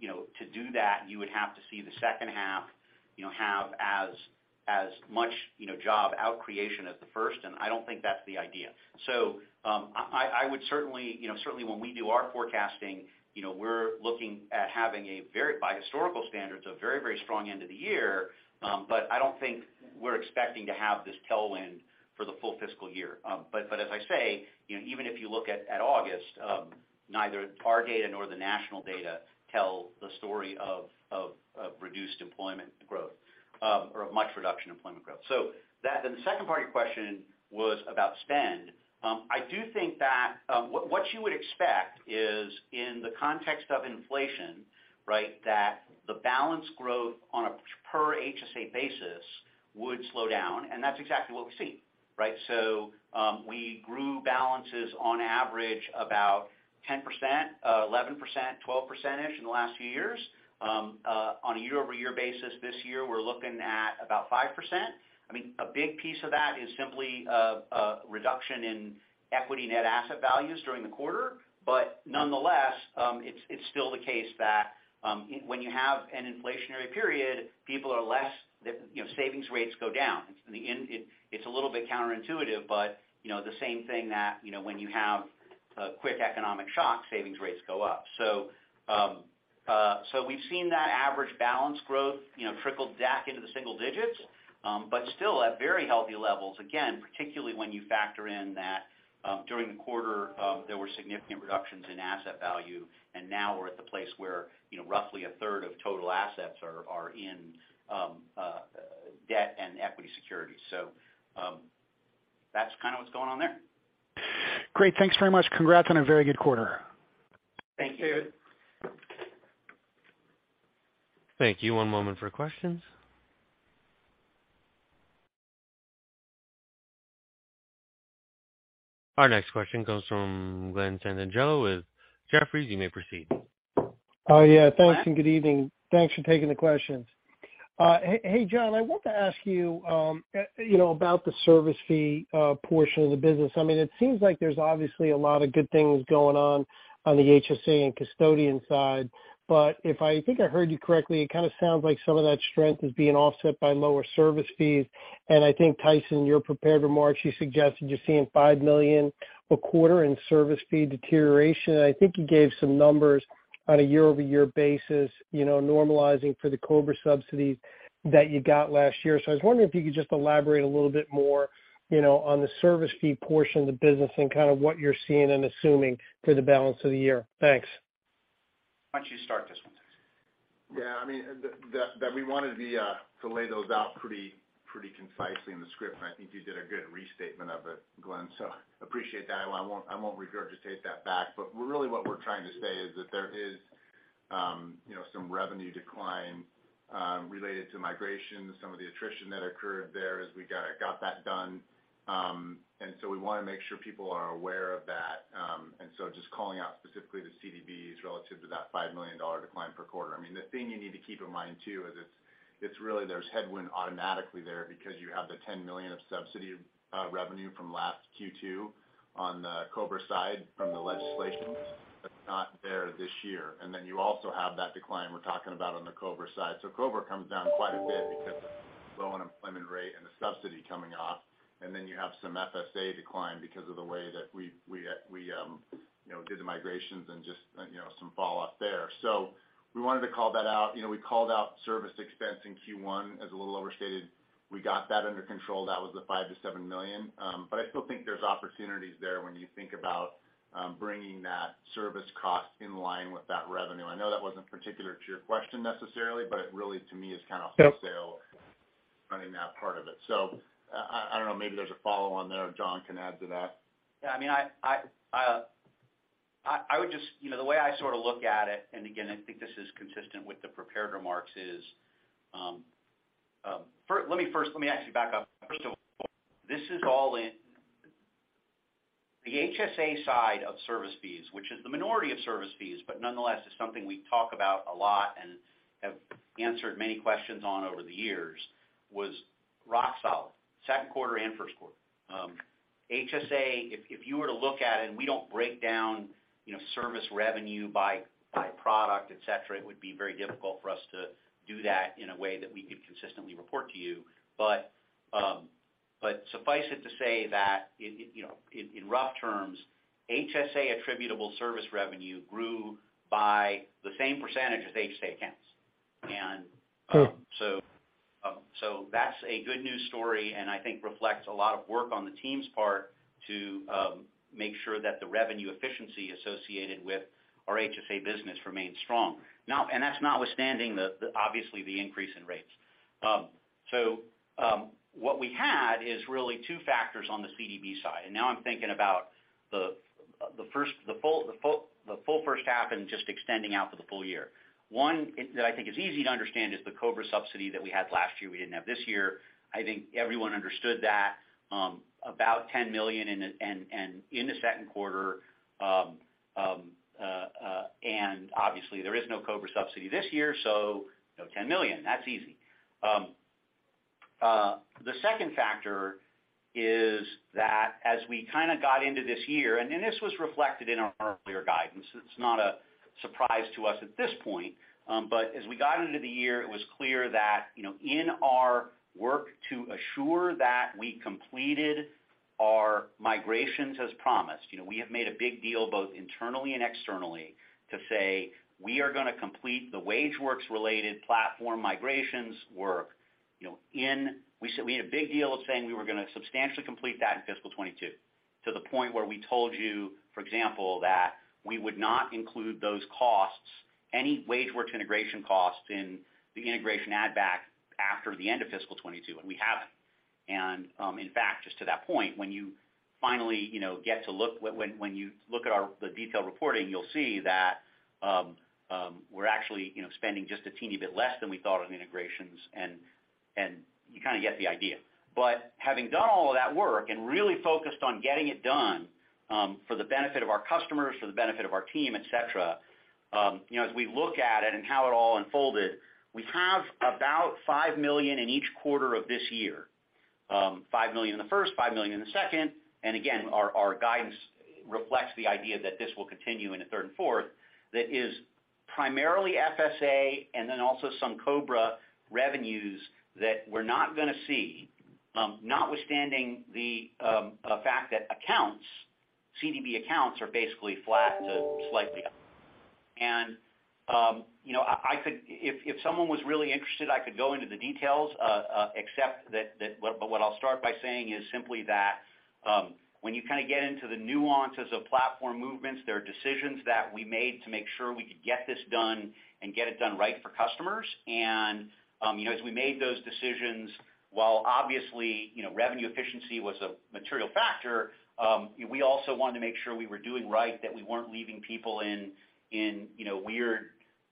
you know, to do that, you would have to see the second half, you know, have as much, you know, job creation as the first, and I don't think that's the idea. I would certainly, you know, when we do our forecasting, you know, we're looking at having a very, by historical standards, a very strong end of the year. I don't think we're expecting to have this tailwind for the full fiscal year. As I say, you know, even if you look at August, neither our data nor the national data tell the story of reduced employment growth, or of much reduced employment growth. That. The second part of your question was about spend. I do think that what you would expect is in the context of inflation, right, that the balance growth on a per HSA basis would slow down, and that's exactly what we've seen, right? We grew balances on average about 10%, 11%, 12% in the last few years. On a year-over-year basis this year, we're looking at about 5%. I mean, a big piece of that is simply reduction in equity net asset values during the quarter. Nonetheless, it's still the case that when you have an inflationary period, people are less, you know, savings rates go down. In the end, it's a little bit counterintuitive, but you know the same thing that you know when you have a quick economic shock, savings rates go up. We've seen that average balance growth, you know, trickle back into the single digits, but still at very healthy levels, again, particularly when you factor in that, during the quarter, there were significant reductions in asset value, and now we're at the place where, you know, roughly a third of total assets are in debt and equity securities. That's kinda what's going on there. Great. Thanks very much. Congrats on a very good quarter. Thank you. Thank you. One moment for questions. Our next question comes from Glen Santangelo with Jefferies. You may proceed. Oh, yeah. Thanks, and good evening. Thanks for taking the questions. Hey, Jon, I want to ask you know, about the service fee portion of the business. I mean, it seems like there's obviously a lot of good things going on on the HSA and custodian side. But if I think I heard you correctly, it kinda sounds like some of that strength is being offset by lower service fees. I think, Tyson, your prepared remarks, you suggested you're seeing $5 million a quarter in service fee deterioration. I think you gave some numbers on a year-over-year basis, you know, normalizing for the COBRA subsidies that you got last year. I was wondering if you could just elaborate a little bit more, you know, on the service fee portion of the business and kind of what you're seeing and assuming for the balance of the year. Thanks. Why don't you start this one, Tyson? Yeah, I mean, we wanted to lay those out pretty concisely in the script, and I think you did a good restatement of it, Glen, so appreciate that. I won't regurgitate that back. Really, what we're trying to say is that there is, you know, some revenue decline related to migration, some of the attrition that occurred there as we got that done. We wanna make sure people are aware of that. Just calling out specifically the CDBs relative to that $5 million decline per quarter. I mean, the thing you need to keep in mind, too, is it's really there's headwind automatically there because you have the $10 million of subsidy revenue from last Q2 on the COBRA side from the legislation that's not there this year. Then you also have that decline we're talking about on the COBRA side. COBRA comes down quite a bit because of low unemployment rate and the subsidy coming off. Then you have some FSA decline because of the way that we you know did the migrations and just you know some falloff there. We wanted to call that out. You know, we called out service expense in Q1 as a little overstated. We got that under control. That was the $5 million-$7 million. I still think there's opportunities there when you think about bringing that service cost in line with that revenue. I know that wasn't particular to your question necessarily, but it really, to me, is kind of. Yep. Wholesale running that part of it. I don't know, maybe there's a follow on there. Jon can add to that. Yeah, I mean, I would just. You know, the way I sort of look at it, and again, I think this is consistent with the prepared remarks, is. Let me actually back up. First of all, this is all in the HSA side of service fees, which is the minority of service fees, but nonetheless is something we talk about a lot and have answered many questions on over the years, was rock solid, Q2 and Q1. HSA, if you were to look at it, and we don't break down, you know, service revenue by product, et cetera. It would be very difficult for us to do that in a way that we could consistently report to you. Suffice it to say that in you know in rough terms, HSA attributable service revenue grew by the same percentage as HSA accounts. That's a good news story, and I think reflects a lot of work on the team's part to make sure that the revenue efficiency associated with our HSA business remains strong. Now that's notwithstanding the obvious increase in rates. What we had is really two factors on the CDB side. Now I'm thinking about the full first half and just extending out for the full year. One that I think is easy to understand is the COBRA subsidy that we had last year, we didn't have this year. I think everyone understood that, about $10 million and in the Q2, and obviously there is no COBRA subsidy this year, so no $10 million. That's easy. The second factor is that as we kinda got into this year, and then this was reflected in our earlier guidance. It's not a surprise to us at this point. As we got into the year, it was clear that, you know, in our work to assure that we completed our migrations as promised, you know, we have made a big deal both internally and externally to say, "We are gonna complete the WageWorks-related platform migrations work," you know, in... We said we had a big deal of saying we were gonna substantially complete that in fiscal 2022, to the point where we told you, for example, that we would not include those costs, any WageWorks integration costs in the integration add back after the end of fiscal 2022, and we haven't. In fact, just to that point, when you finally get to look at our detailed reporting, you'll see that we're actually spending just a teeny bit less than we thought on integrations and you kinda get the idea. Having done all of that work and really focused on getting it done, for the benefit of our customers, for the benefit of our team, et cetera, you know, as we look at it and how it all unfolded, we have about $5 million in each quarter of this year, $5 million in the first, $5 million in the second. Our guidance reflects the idea that this will continue in the third and fourth. That is primarily FSA and then also some COBRA revenues that we're not gonna see, notwithstanding the fact that accounts, CDB accounts are basically flat to slightly up. You know, I could go into the details if someone was really interested, except that. What I'll start by saying is simply that, when you kind of get into the nuances of platform movements, there are decisions that we made to make sure we could get this done and get it done right for customers. You know, as we made those decisions, while obviously, you know, revenue efficiency was a material factor, we also wanted to make sure we were doing right, that we weren't leaving people in you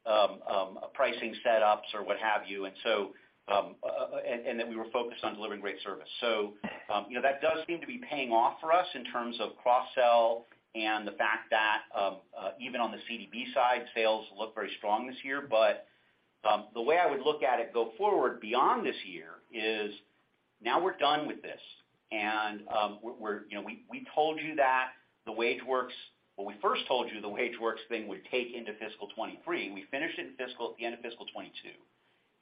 know, weird pricing setups or what have you, and that we were focused on delivering great service. You know, that does seem to be paying off for us in terms of cross-sell and the fact that even on the CDB side, sales look very strong this year. The way I would look at it go forward beyond this year is now we're done with this, and we're You know, we told you that the WageWorks When we first told you the WageWorks thing would take into fiscal 2023, and we finished it at the end of fiscal 2022.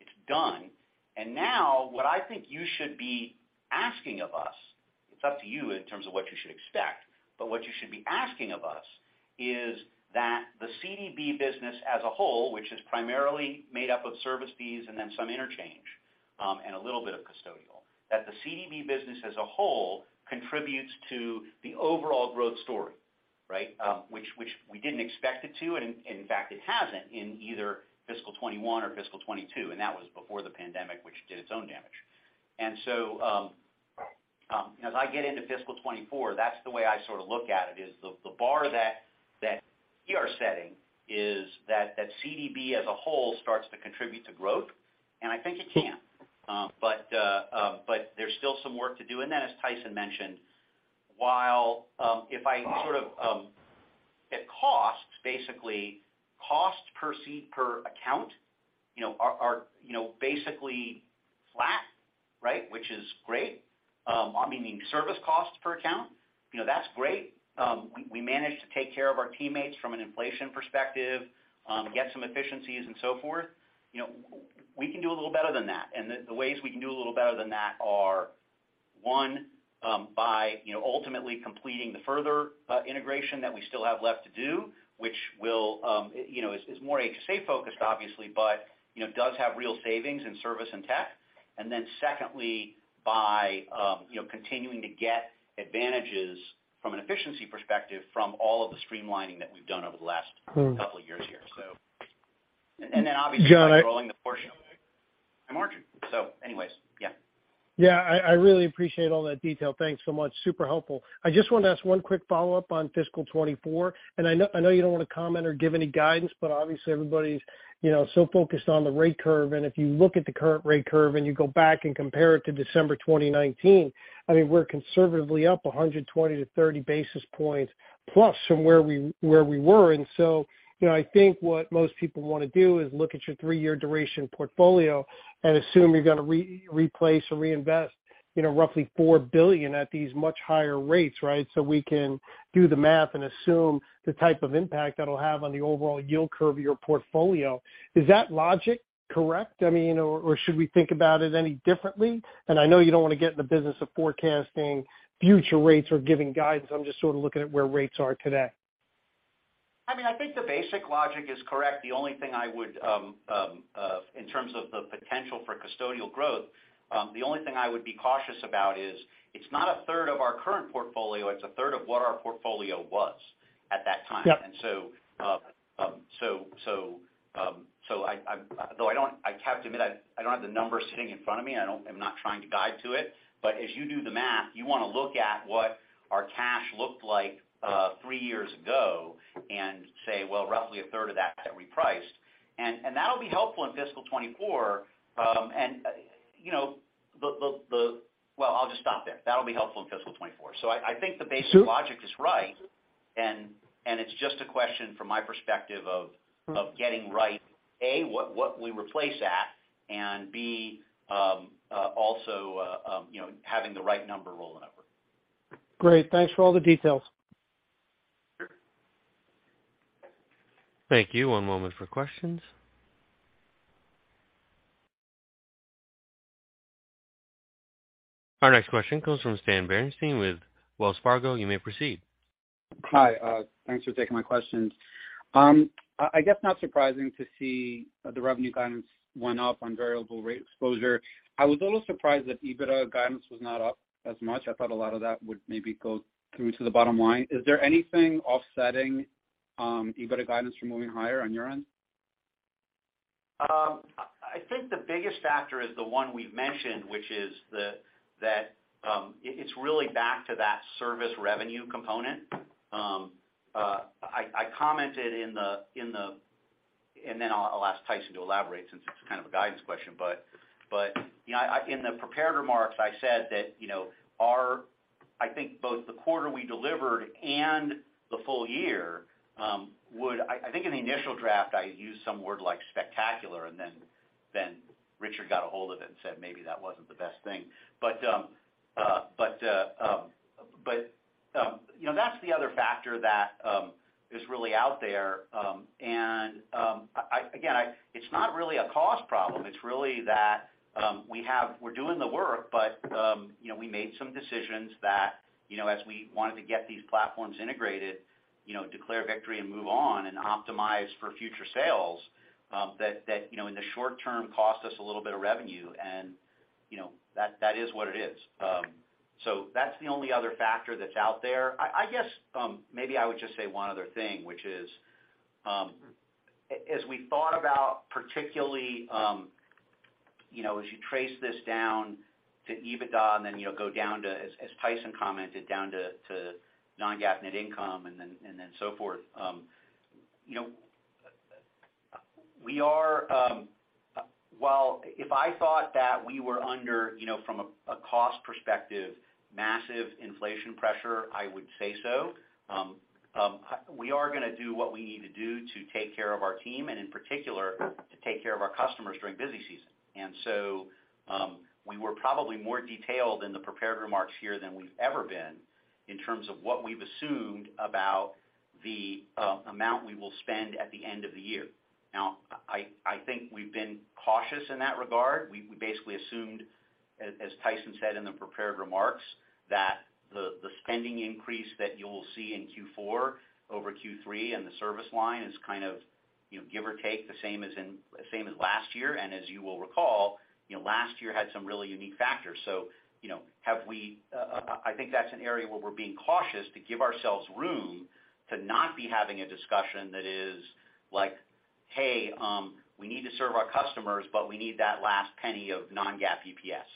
It's done. Now what I think you should be asking of us, it's up to you in terms of what you should expect, but what you should be asking of us is that the CDB business as a whole, which is primarily made up of service fees and then some interchange, and a little bit of custodial, that the CDB business as a whole contributes to the overall growth story, right? Which we didn't expect it to, and in fact, it hasn't in either fiscal 2021 or fiscal 2022, and that was before the pandemic, which did its own damage. As I get into fiscal 2024, that's the way I sort of look at it, is the bar that we are setting is that CDB as a whole starts to contribute to growth, and I think it can. But there's still some work to do. As Tyson mentioned, while if I sort of at cost, basically cost per seat per account, you know, are you know, basically flat, right, which is great. I mean, service costs per account, you know, that's great. We managed to take care of our teammates from an inflation perspective, get some efficiencies and so forth. You know, we can do a little better than that. The ways we can do a little better than that are, one, by ultimately completing the Further integration that we still have left to do, which will, you know, is more safe-focused obviously, but you know, does have real savings in service and tech. Then secondly, by continuing to get advantages from an efficiency perspective from all of the streamlining that we've done over the last couple of years here. Then obviously by rolling the portion of it in margin. Anyways, yeah. Yeah. I really appreciate all that detail. Thanks so much. Super helpful. I just wanted to ask one quick follow-up on fiscal 2024. I know you don't want to comment or give any guidance, but obviously everybody's, you know, so focused on the rate curve. If you look at the current rate curve and you go back and compare it to December 2019, I mean, we're conservatively up 120-130 basis points plus from where we were. You know, I think what most people want to do is look at your three-year duration portfolio and assume you're gonna replace or reinvest, you know, roughly $4 billion at these much higher rates, right? We can do the math and assume the type of impact that'll have on the overall yield curve of your portfolio. Is that logic correct? I mean, or should we think about it any differently? I know you don't want to get in the business of forecasting future rates or giving guidance. I'm just sort of looking at where rates are today. I mean, I think the basic logic is correct. The only thing I would, in terms of the potential for custodial growth, the only thing I would be cautious about is it's not 1/3 of our current portfolio, it's 1/3 of what our portfolio was at that time. Yeah. I have to admit, I don't have the numbers sitting in front of me. I'm not trying to guide to it. As you do the math, you want to look at what our cash looked like three years ago and say, well, roughly 1/3 of that got repriced. That'll be helpful in fiscal 2024. You know, well, I'll just stop there. That'll be helpful in fiscal 2024. I think the basic logic is right. It's just a question from my perspective of getting right, A, what we replace at, and B, you know, having the right number rolling over. Great. Thanks for all the details. Sure. Thank you. One moment for questions. Our next question comes from Stan Berenshteyn with Wells Fargo. You may proceed. Hi. Thanks for taking my questions. I guess not surprising to see the revenue guidance went up on variable rate exposure. I was a little surprised that EBITDA guidance was not up as much. I thought a lot of that would maybe go through to the bottom line. Is there anything offsetting EBITDA guidance from moving higher on your end? I think the biggest factor is the one we've mentioned, which is that it's really back to that service revenue component. I'll ask Tyson to elaborate since it's kind of a guidance question. You know, in the prepared remarks, I said that, you know, I think both the quarter we delivered and the full year, I think in the initial draft I used some word like spectacular, and then Richard got a hold of it and said maybe that wasn't the best thing. You know, that's the other factor that is really out there. Again, it's not really a cost problem, it's really that we're doing the work, but you know, we made some decisions that you know, as we wanted to get these platforms integrated, you know, declare victory and move on and optimize for future sales, that you know, in the short term, cost us a little bit of revenue and you know, that is what it is. That's the only other factor that's out there. I guess maybe I would just say one other thing, which is as we thought about particularly you know, as you trace this down to EBITDA and then you know, go down to, as Tyson commented, down to non-GAAP net income and then so forth you know, we are. Well, if I thought that we were under, you know, from a cost perspective, massive inflation pressure, I would say so. We are gonna do what we need to do to take care of our team, and in particular to take care of our customers during busy season. We were probably more detailed in the prepared remarks here than we've ever been in terms of what we've assumed about the amount we will spend at the end of the year. Now, I think we've been cautious in that regard. We basically assumed, as Tyson said in the prepared remarks, that the spending increase that you'll see in Q4 over Q3 in the service line is kind of, you know, give or take the same as last year. As you will recall, you know, last year had some really unique factors. You know, I think that's an area where we're being cautious to give ourselves room to not be having a discussion that is, like, "Hey, we need to serve our customers, but we need that last penny of non-GAAP EPS."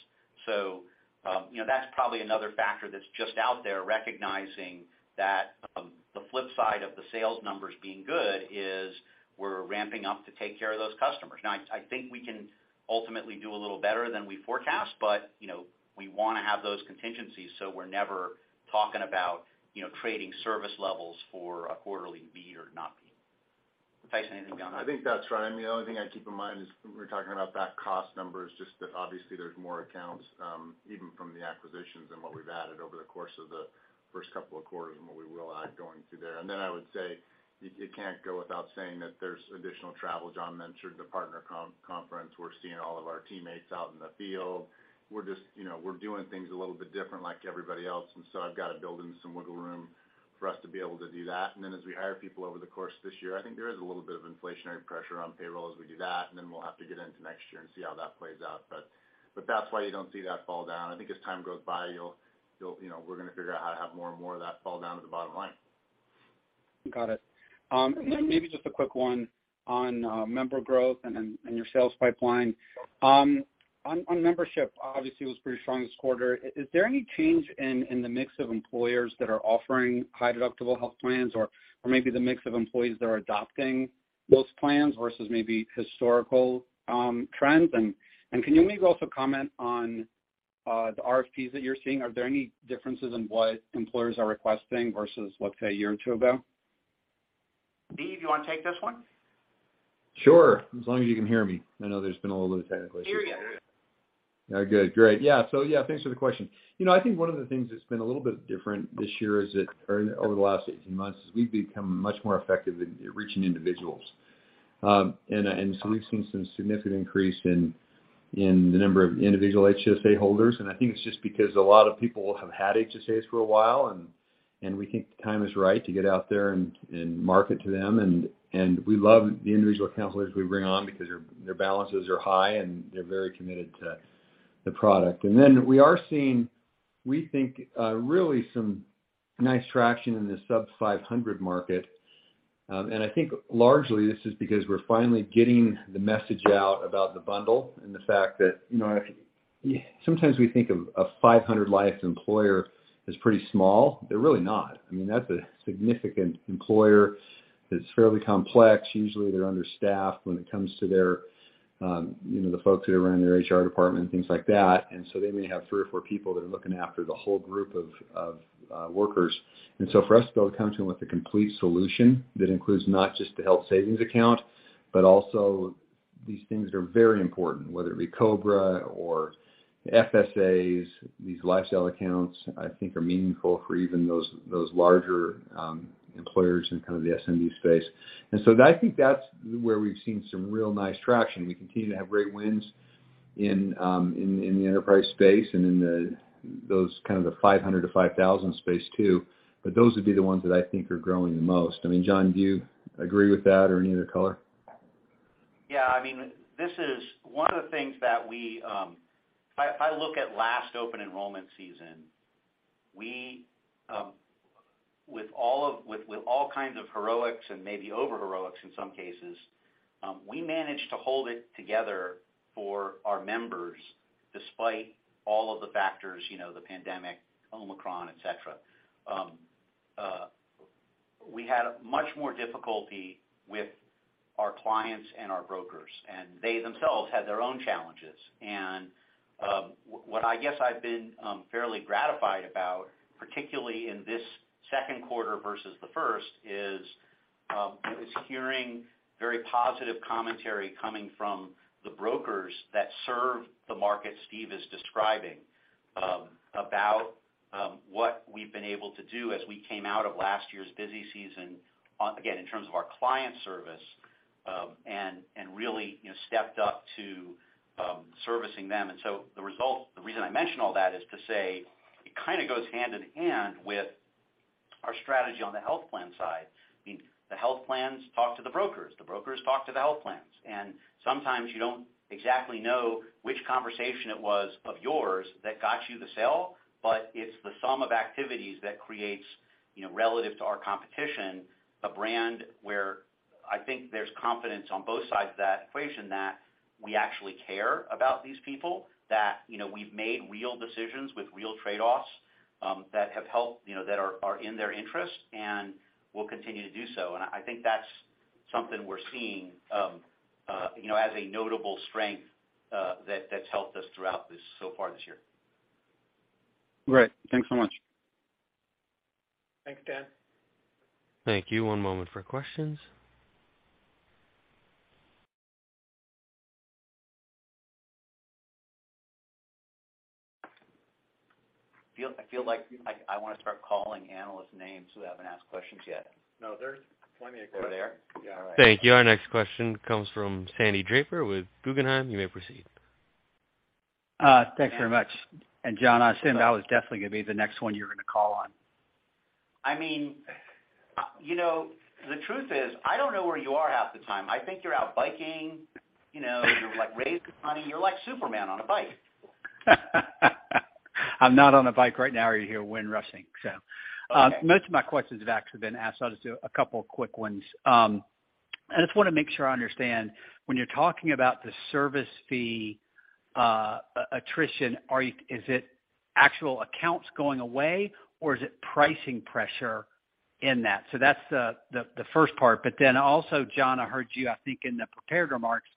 You know, that's probably another factor that's just out there, recognizing that, the flip side of the sales numbers being good is we're ramping up to take care of those customers. Now, I think we can ultimately do a little better than we forecast, but, you know, we wanna have those contingencies so we're never talking about, you know, trading service levels for a quarterly beat or not beat. Tyson, anything to add? I think that's right. I mean, the only thing I'd keep in mind is when we're talking about back-end cost numbers, just that obviously there's more accounts, even from the acquisitions than what we've added over the course of the first couple of quarters and what we will add going through there. Then I would say you can't go without saying that there's additional travel. Jon mentioned the partner conference. We're seeing all of our teammates out in the field. We're just, you know, we're doing things a little bit different like everybody else, and so I've got to build in some wiggle room for us to be able to do that. As we hire people over the course of this year, I think there is a little bit of inflationary pressure on payroll as we do that, and then we'll have to get into next year and see how that plays out. That's why you don't see that fall down. I think as time goes by, you'll, you know, we're gonna figure out how to have more and more of that fall down to the bottom line. Got it. Maybe just a quick one on member growth and your sales pipeline. On membership, obviously it was pretty strong this quarter. Is there any change in the mix of employers that are offering high deductible health plans or maybe the mix of employees that are adopting those plans versus maybe historical trends? Can you maybe also comment on the RFPs that you're seeing? Are there any differences in what employers are requesting versus, let's say, a year or two ago? Steve, do you wanna take this one? Sure, as long as you can hear me. I know there's been a little technical issue. Hear you. All right, good. Great. Yeah. Thanks for the question. You know, I think one of the things that's been a little bit different this year is that, or over the last 18 months, is we've become much more effective in reaching individuals. We've seen some significant increase in the number of individual HSA holders, and I think it's just because a lot of people have had HSAs for a while and we think the time is right to get out there and market to them. We love the individual account holders we bring on because their balances are high and they're very committed to the product. Then we are seeing, we think, really some nice traction in the sub-500 market. I think largely this is because we're finally getting the message out about the bundle and the fact that, you know, sometimes we think of a 500-life employer as pretty small. They're really not. I mean, that's a significant employer that's fairly complex. Usually, they're understaffed when it comes to their, you know, the folks that are running their HR department and things like that. They may have three or four people that are looking after the whole group of workers. For us to be able to come to them with a complete solution that includes not just the health savings account, but also these things that are very important, whether it be COBRA or FSAs, these lifestyle accounts, I think are meaningful for even those larger employers in kind of the SMB space. I think that's where we've seen some real nice traction. We continue to have great wins in the enterprise space and in those kind of the 500-5,000 space too. Those would be the ones that I think are growing the most. I mean, Jon, do you agree with that or any other color? Yeah. I mean, this is one of the things that we. If I look at last open enrollment season, we, with all kinds of heroics and maybe over-heroics in some cases, we managed to hold it together for our members despite all of the factors, you know, the pandemic, Omicron, et cetera. We had much more difficulty with our clients and our brokers, and they themselves had their own challenges. What I guess I've been fairly gratified about, particularly in this Q2 versus the first, is hearing very positive commentary coming from the brokers that serve the market Steve is describing, about what we've been able to do as we came out of last year's busy season, again, in terms of our client service, and really, you know, stepped up to servicing them. The reason I mention all that is to say it kind of goes hand in hand with our strategy on the health plan side. I mean, the health plans talk to the brokers, the brokers talk to the health plans. Sometimes you don't exactly know which conversation it was of yours that got you the sale, but it's the sum of activities that creates, you know, relative to our competition, a brand where I think there's confidence on both sides of that equation that we actually care about these people, that, you know, we've made real decisions with real trade-offs, that have helped, you know, that are in their interest, and we'll continue to do so. I think that's something we're seeing, you know, as a notable strength, that that's helped us throughout this so far this year. Great. Thanks so much. Thanks, Stan. Thank you. One moment for questions. I feel like I wanna start calling analysts' names who haven't asked questions yet. No, there's plenty of questions. Oh, there are? Yeah. All right. Thank you. Our next question comes from Sandy Draper with Guggenheim. You may proceed. Thanks very much. Jon, I assume that was definitely gonna be the next one you were gonna call on. I mean, you know, the truth is, I don't know where you are half the time. I think you're out biking, you know, you're like raising money. You're like Superman on a bike. I'm not on a bike right now or you'd hear wind rushing, so. Okay. Most of my questions have actually been asked. I'll just do a couple of quick ones. I just wanna make sure I understand. When you're talking about the service fee attrition, is it actual accounts going away, or is it pricing pressure in that? So that's the first part. Jon, I heard you, I think in the prepared remarks,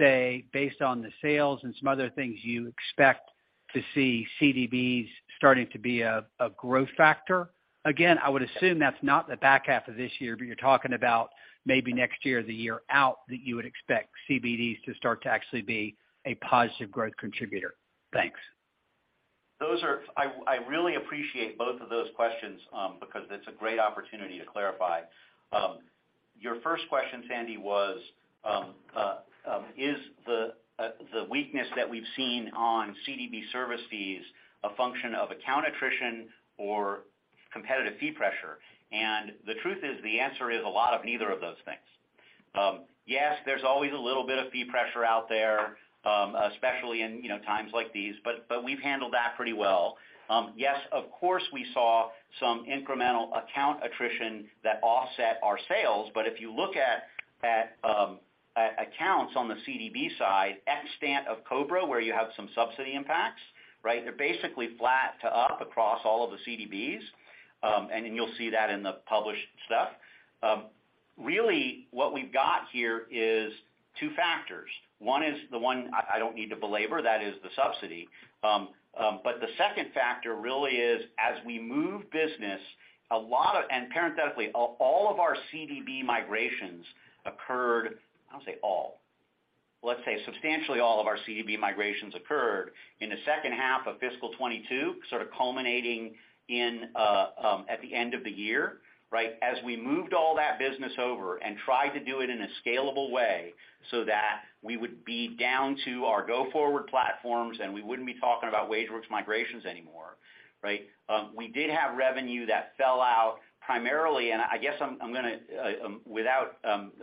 say based on the sales and some other things you expect to see CDBs starting to be a growth factor. Again, I would assume that's not the back half of this year, but you're talking about maybe next year or the year out that you would expect CDBs to start to actually be a positive growth contributor. Thanks. I really appreciate both of those questions, because it's a great opportunity to clarify. Your first question, Sandy, was is the weakness that we've seen on CDB service fees a function of account attrition or competitive fee pressure? The truth is, the answer is a lot of neither of those things. Yes, there's always a little bit of fee pressure out there, especially in you know times like these, but we've handled that pretty well. Yes, of course, we saw some incremental account attrition that offset our sales. If you look at accounts on the CDB side, exempt of COBRA, where you have some subsidy impacts, right? They're basically flat to up across all of the CDBs, and you'll see that in the published stuff. Really, what we've got here is two factors. One is the one I don't need to belabor, that is the subsidy. The second factor really is, as we move business and parenthetically, all of our CDB migrations occurred, I'll say all. Let's say substantially all of our CDB migrations occurred in the second half of fiscal 2022, sort of culminating in at the end of the year, right? As we moved all that business over and tried to do it in a scalable way so that we would be down to our go-forward platforms and we wouldn't be talking about WageWorks migrations anymore, right? We did have revenue that fell out primarily, and I guess I'm gonna without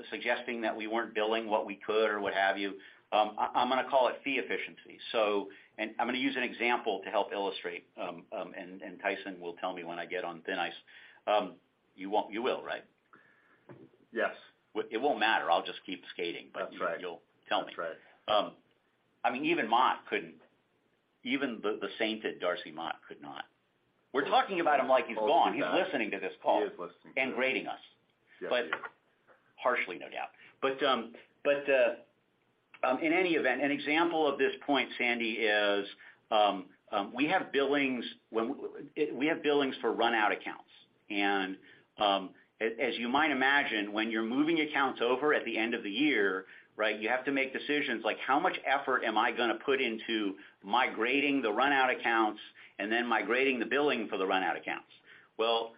suggesting that we weren't billing what we could or what have you, I'm gonna call it fee efficiency. I'm gonna use an example to help illustrate, and Tyson will tell me when I get on thin ice. You will, right? Yes. It won't matter. I'll just keep skating. That's right. You'll tell me. That's right. I mean, even Mott couldn't. Even the sainted Darcy Mott could not. We're talking about him like he's gone. Oh, he's not. He's listening to this call. He is listening to this. Grading us. Yes. Yeah. Harshly, no doubt. In any event, an example of this point, Sandy, is we have billings for runout accounts. As you might imagine, when you're moving accounts over at the end of the year, right? You have to make decisions like, how much effort am I gonna put into migrating the runout accounts and then migrating the billing for the runout accounts? Well,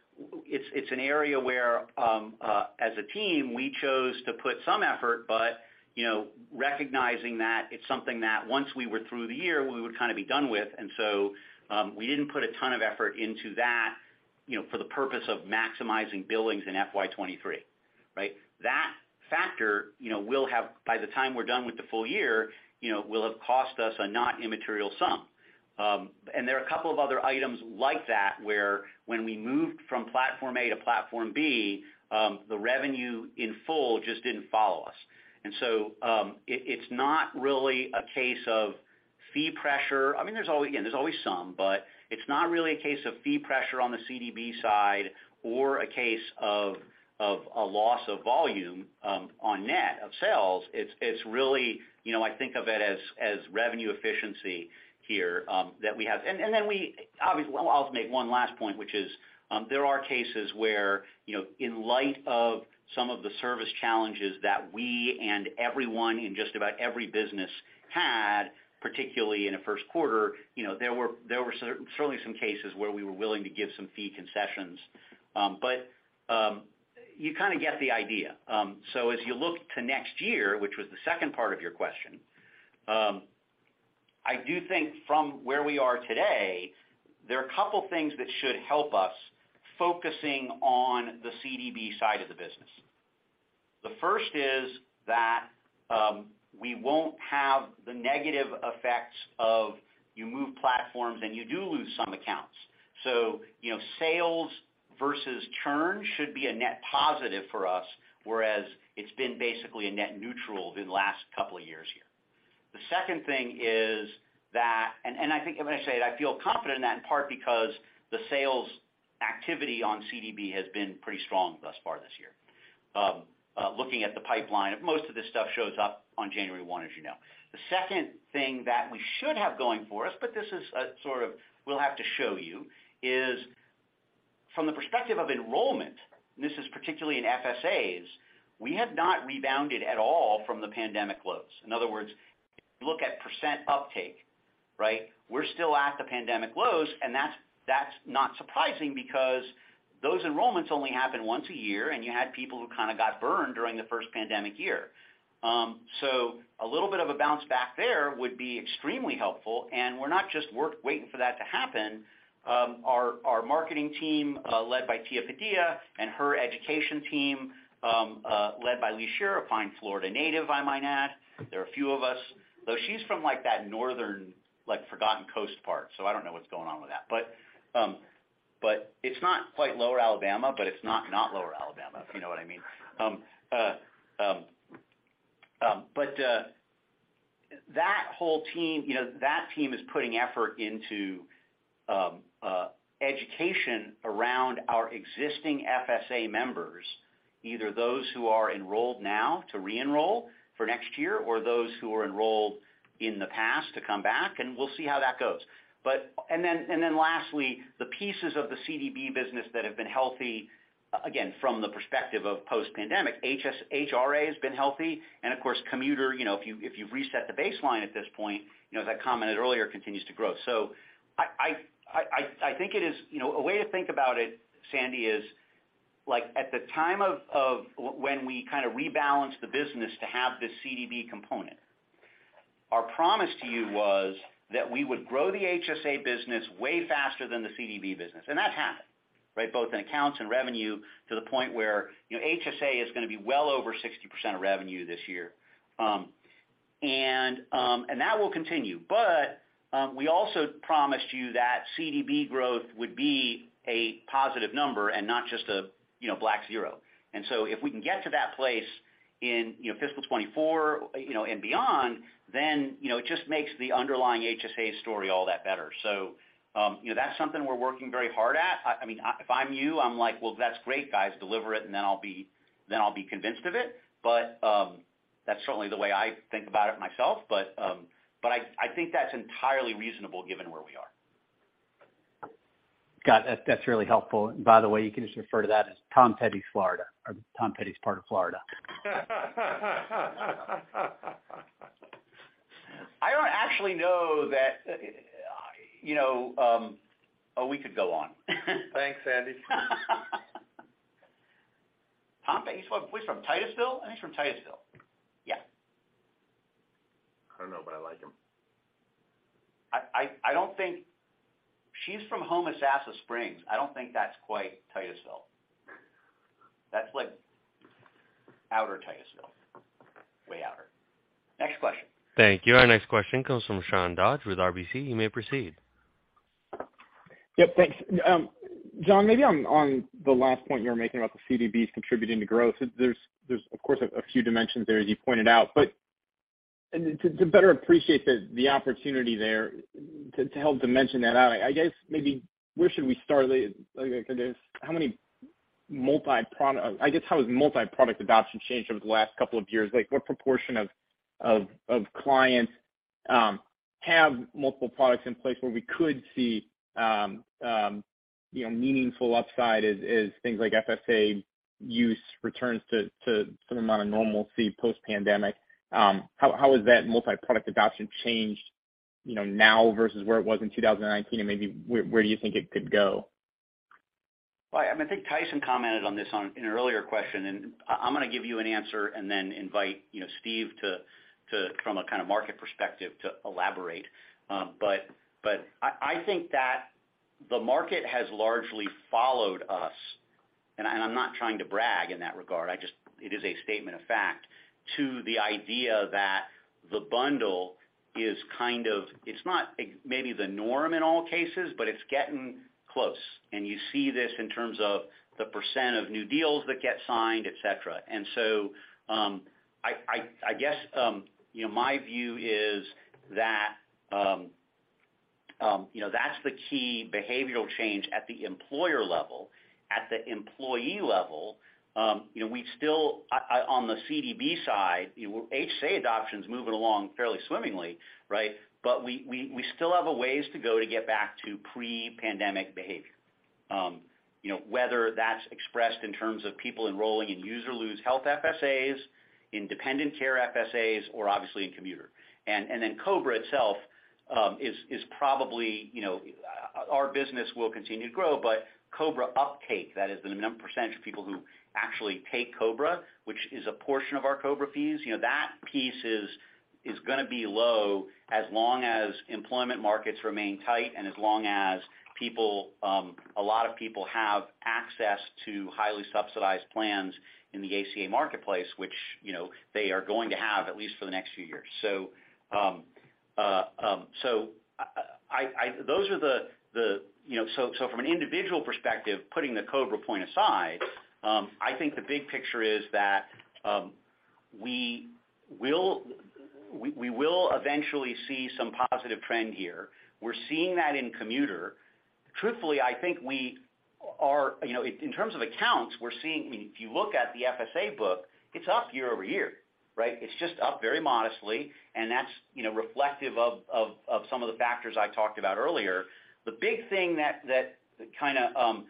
it's an area where, as a team, we chose to put some effort, but, you know, recognizing that it's something that once we were through the year, we would kind of be done with. We didn't put a ton of effort into that, you know, for the purpose of maximizing billings in FY 2023, right? That factor, you know, will have, by the time we're done with the full year, you know, will have cost us a not immaterial sum. There are a couple of other items like that, where when we moved from platform A to platform B, the revenue in full just didn't follow us. It, it's not really a case of fee pressure. I mean, again, there's always some, but it's not really a case of fee pressure on the CDB side or a case of a loss of volume on net sales. It's really, you know, I think of it as revenue efficiency here, that we have. I'll make one last point, which is, there are cases where, you know, in light of some of the service challenges that we and everyone in just about every business had, particularly in the Q1, you know, there were certainly some cases where we were willing to give some fee concessions. You kind of get the idea. As you look to next year, which was the second part of your question, I do think from where we are today, there are a couple things that should help us focusing on the CDB side of the business. The first is that we won't have the negative effects of moving platforms and you do lose some accounts. You know, sales versus churn should be a net positive for us, whereas it's been basically a net neutral the last couple of years here. The second thing is that I think, when I say it, I feel confident in that in part because the sales activity on CDB has been pretty strong thus far this year. Looking at the pipeline, most of this stuff shows up on January one, as you know. The second thing that we should have going for us, but this is a sort of we'll have to show you, is from the perspective of enrollment, this is particularly in FSAs, we have not rebounded at all from the pandemic lows. In other words, look at percent uptake, right? We're still at the pandemic lows, and that's not surprising because those enrollments only happen once a year, and you had people who kind of got burned during the first pandemic year. A little bit of a bounce back there would be extremely helpful, and we're not just waiting for that to happen. Our marketing team, led by Tia Padia, and her education team, led by Leigh Scherer, a fine Florida native, I might add. There are a few of us. Though she's from, like, that northern, like, forgotten coast part, so I don't know what's going on with that. But it's not quite lower Alabama, but it's not lower Alabama, if you know what I mean. That whole team, you know, that team is putting effort into education around our existing FSA members, either those who are enrolled now to re-enroll for next year or those who are enrolled in the past to come back, and we'll see how that goes. Lastly, the pieces of the CDB business that have been healthy, again, from the perspective of post-pandemic, HRA has been healthy and of course commuter, you know, if you've reset the baseline at this point, you know, as I commented earlier, continues to grow. I think it is, you know. A way to think about it, Sandy, is, like, at the time when we kind of rebalanced the business to have this CDB component, our promise to you was that we would grow the HSA business way faster than the CDB business. That happened, right? Both in accounts and revenue to the point where, you know, HSA is gonna be well over 60% of revenue this year. That will continue. We also promised you that CDB growth would be a positive number and not just a, you know, black zero. If we can get to that place in, you know, fiscal 2024, you know, and beyond, then, you know, it just makes the underlying HSA story all that better. You know, that's something we're working very hard at. I mean, if I'm you, I'm like: Well, that's great, guys. Deliver it, and then I'll be convinced of it. That's certainly the way I think about it myself. I think that's entirely reasonable given where we are. Got it. That, that's really helpful. By the way, you can just refer to that as Tom Petty's Florida or Tom Petty's part of Florida. I don't actually know that, you know. Oh, we could go on. Thanks, Sandy. Tom Petty, he's from Titusville? I think he's from Titusville. Yeah. I don't know, but I like him. I don't think she's from Homosassa Springs. I don't think that's quite Titusville. That's like outer Titusville. Way outer. Next question. Thank you. Our next question comes from Sean Dodge with RBC. You may proceed. Yep, thanks. Jon, maybe on the last point you were making about the CDBs contributing to growth. There's of course a few dimensions there, as you pointed out. To better appreciate the opportunity there, to help dimension that out, I guess maybe where should we start? Like, I guess, how has multi-product adoption changed over the last couple of years? Like, what proportion of clients have multiple products in place where we could see you know, meaningful upside as things like FSA use returns to some amount of normalcy post-pandemic? How has that multi-product adoption changed, you know, now versus where it was in 2019? Maybe where do you think it could go? Well, I mean, I think Tyson commented on this in an earlier question, and I'm gonna give you an answer and then invite, you know, Steve to, from a kind of market perspective, to elaborate. But I think that the market has largely followed us, and I'm not trying to brag in that regard. It is a statement of fact to the idea that the bundle is kind of. It's not exactly the norm in all cases, but it's getting close. You see this in terms of the percent of new deals that get signed, et cetera. I guess, you know, my view is that, you know, that's the key behavioral change at the employer level. At the employee level, on the CDB side, HSA adoption's moving along fairly swimmingly, right? We still have a ways to go to get back to pre-pandemic behavior. Whether that's expressed in terms of people enrolling in use or lose health FSAs, in dependent care FSAs, or obviously in commuter. COBRA itself is probably. Our business will continue to grow, but COBRA uptake, that is the percentage of people who actually take COBRA, which is a portion of our COBRA fees, you know, that piece is gonna be low as long as employment markets remain tight and as long as people, a lot of people have access to highly subsidized plans in the ACA marketplace, which, you know, they are going to have at least for the next few years. From an individual perspective, putting the COBRA point aside, I think the big picture is that we will eventually see some positive trend here. We're seeing that in commuter. Truthfully, I think we are. You know, in terms of accounts, we're seeing. I mean, if you look at the FSA book, it's up year-over-year, right? It's just up very modestly, and that's, you know, reflective of some of the factors I talked about earlier. The big thing that kinda I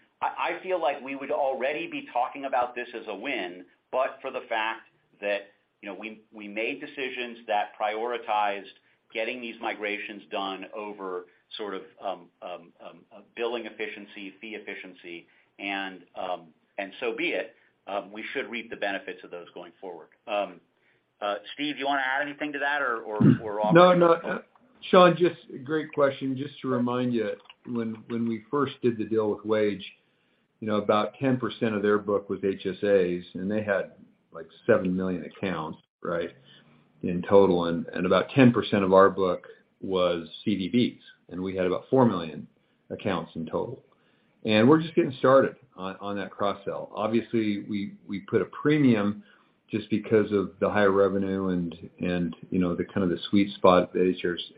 feel like we would already be talking about this as a win, but for the fact that, you know, we made decisions that prioritized getting these migrations done over sort of billing efficiency, fee efficiency, and so be it. We should reap the benefits of those going forward. Steve, you wanna add anything to that or we're all- No, Sean, just great question. Just to remind you, when we first did the deal with Wage, you know, about 10% of their book was HSAs, and they had like 7,000,000 accounts, right, in total, and about 10% of our book was CDBs, and we had about 4,000,000 accounts in total. We're just getting started on that cross-sell. Obviously, we put a premium just because of the higher revenue and, you know, the kind of the sweet spot that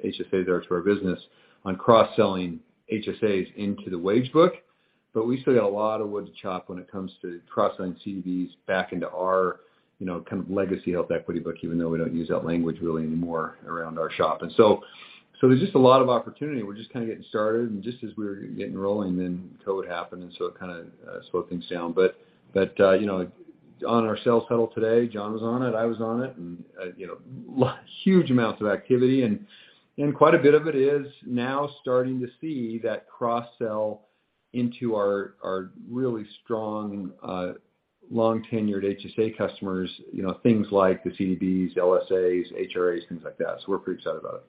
HSAs are to our business on cross-selling HSAs into the Wage book. But we still got a lot of wood to chop when it comes to cross-selling CDBs back into our, you know, kind of legacy HealthEquity book, even though we don't use that language really anymore around our shop. So there's just a lot of opportunity. We're just kinda getting started, and just as we were getting rolling, then COVID happened, and so it kinda slowed things down. You know, on our sales huddle today, Jon was on it, I was on it, and you know, huge amounts of activity and quite a bit of it is now starting to see that cross-sell into our really strong long-tenured HSA customers, you know, things like the CDBs, LSAs, HRAs, things like that. We're pretty excited about it.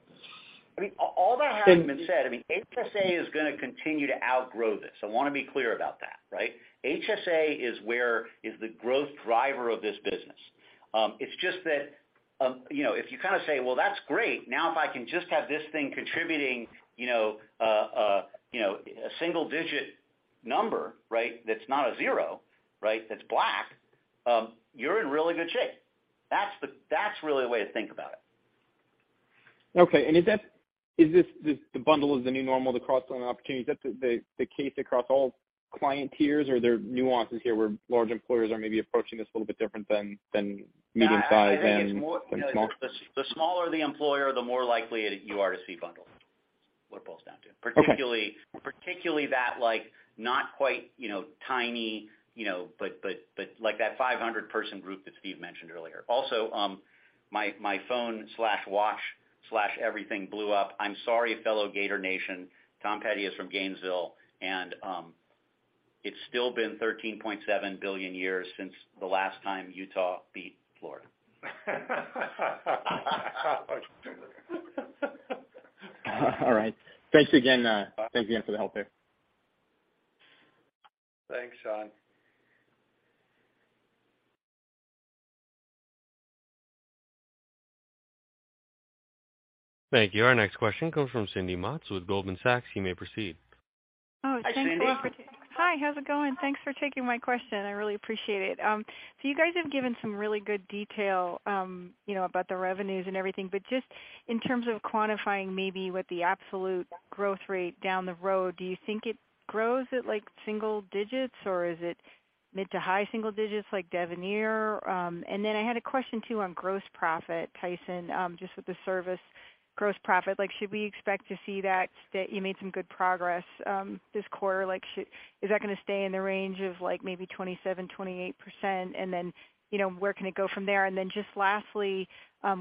I mean, all that having been said, I mean, HSA is gonna continue to outgrow this. I wanna be clear about that, right? HSA is the growth driver of this business. It's just that, you know, if you kinda say, "Well, that's great. Now, if I can just have this thing contributing, you know, a single-digit number, right, that's not a zero, right, that's black," you're in really good shape. That's really the way to think about it. Okay. Is this the bundle is the new normal to cross-sell an opportunity? Is that the case across all client tiers, or are there nuances here where large employers are maybe approaching this a little bit different than medium size and small? The smaller the employer, the more likely you are to see bundles, what it boils down to. Okay. Particularly that, like, not quite, you know, tiny, you know, but like that 500-person group that Steve mentioned earlier. Also, my phone/watch/everything blew up. I'm sorry, fellow Gator Nation, Tom Petty is from Gainesville, and it's still been 13,700,000,000 years since the last time Utah beat Florida. All right. Thanks again. Thanks again for the help here. Thanks, Sean. Thank you. Our next question comes from Cindy Motz with Goldman Sachs. You may proceed. Hi, Cindy. Hi. How's it going? Thanks for taking my question. I really appreciate it. So you guys have given some really good detail, you know, about the revenues and everything. Just in terms of quantifying maybe what the absolute growth rate down the road, do you think it grows at, like, single digits, or is it mid to high single digits like Devenir? I had a question, too, on gross profit, Tyson, just with the service gross profit. Like, should we expect to see that you made some good progress this quarter? Like, is that gonna stay in the range of like maybe 27%-28%? Where can it go from there? Just lastly,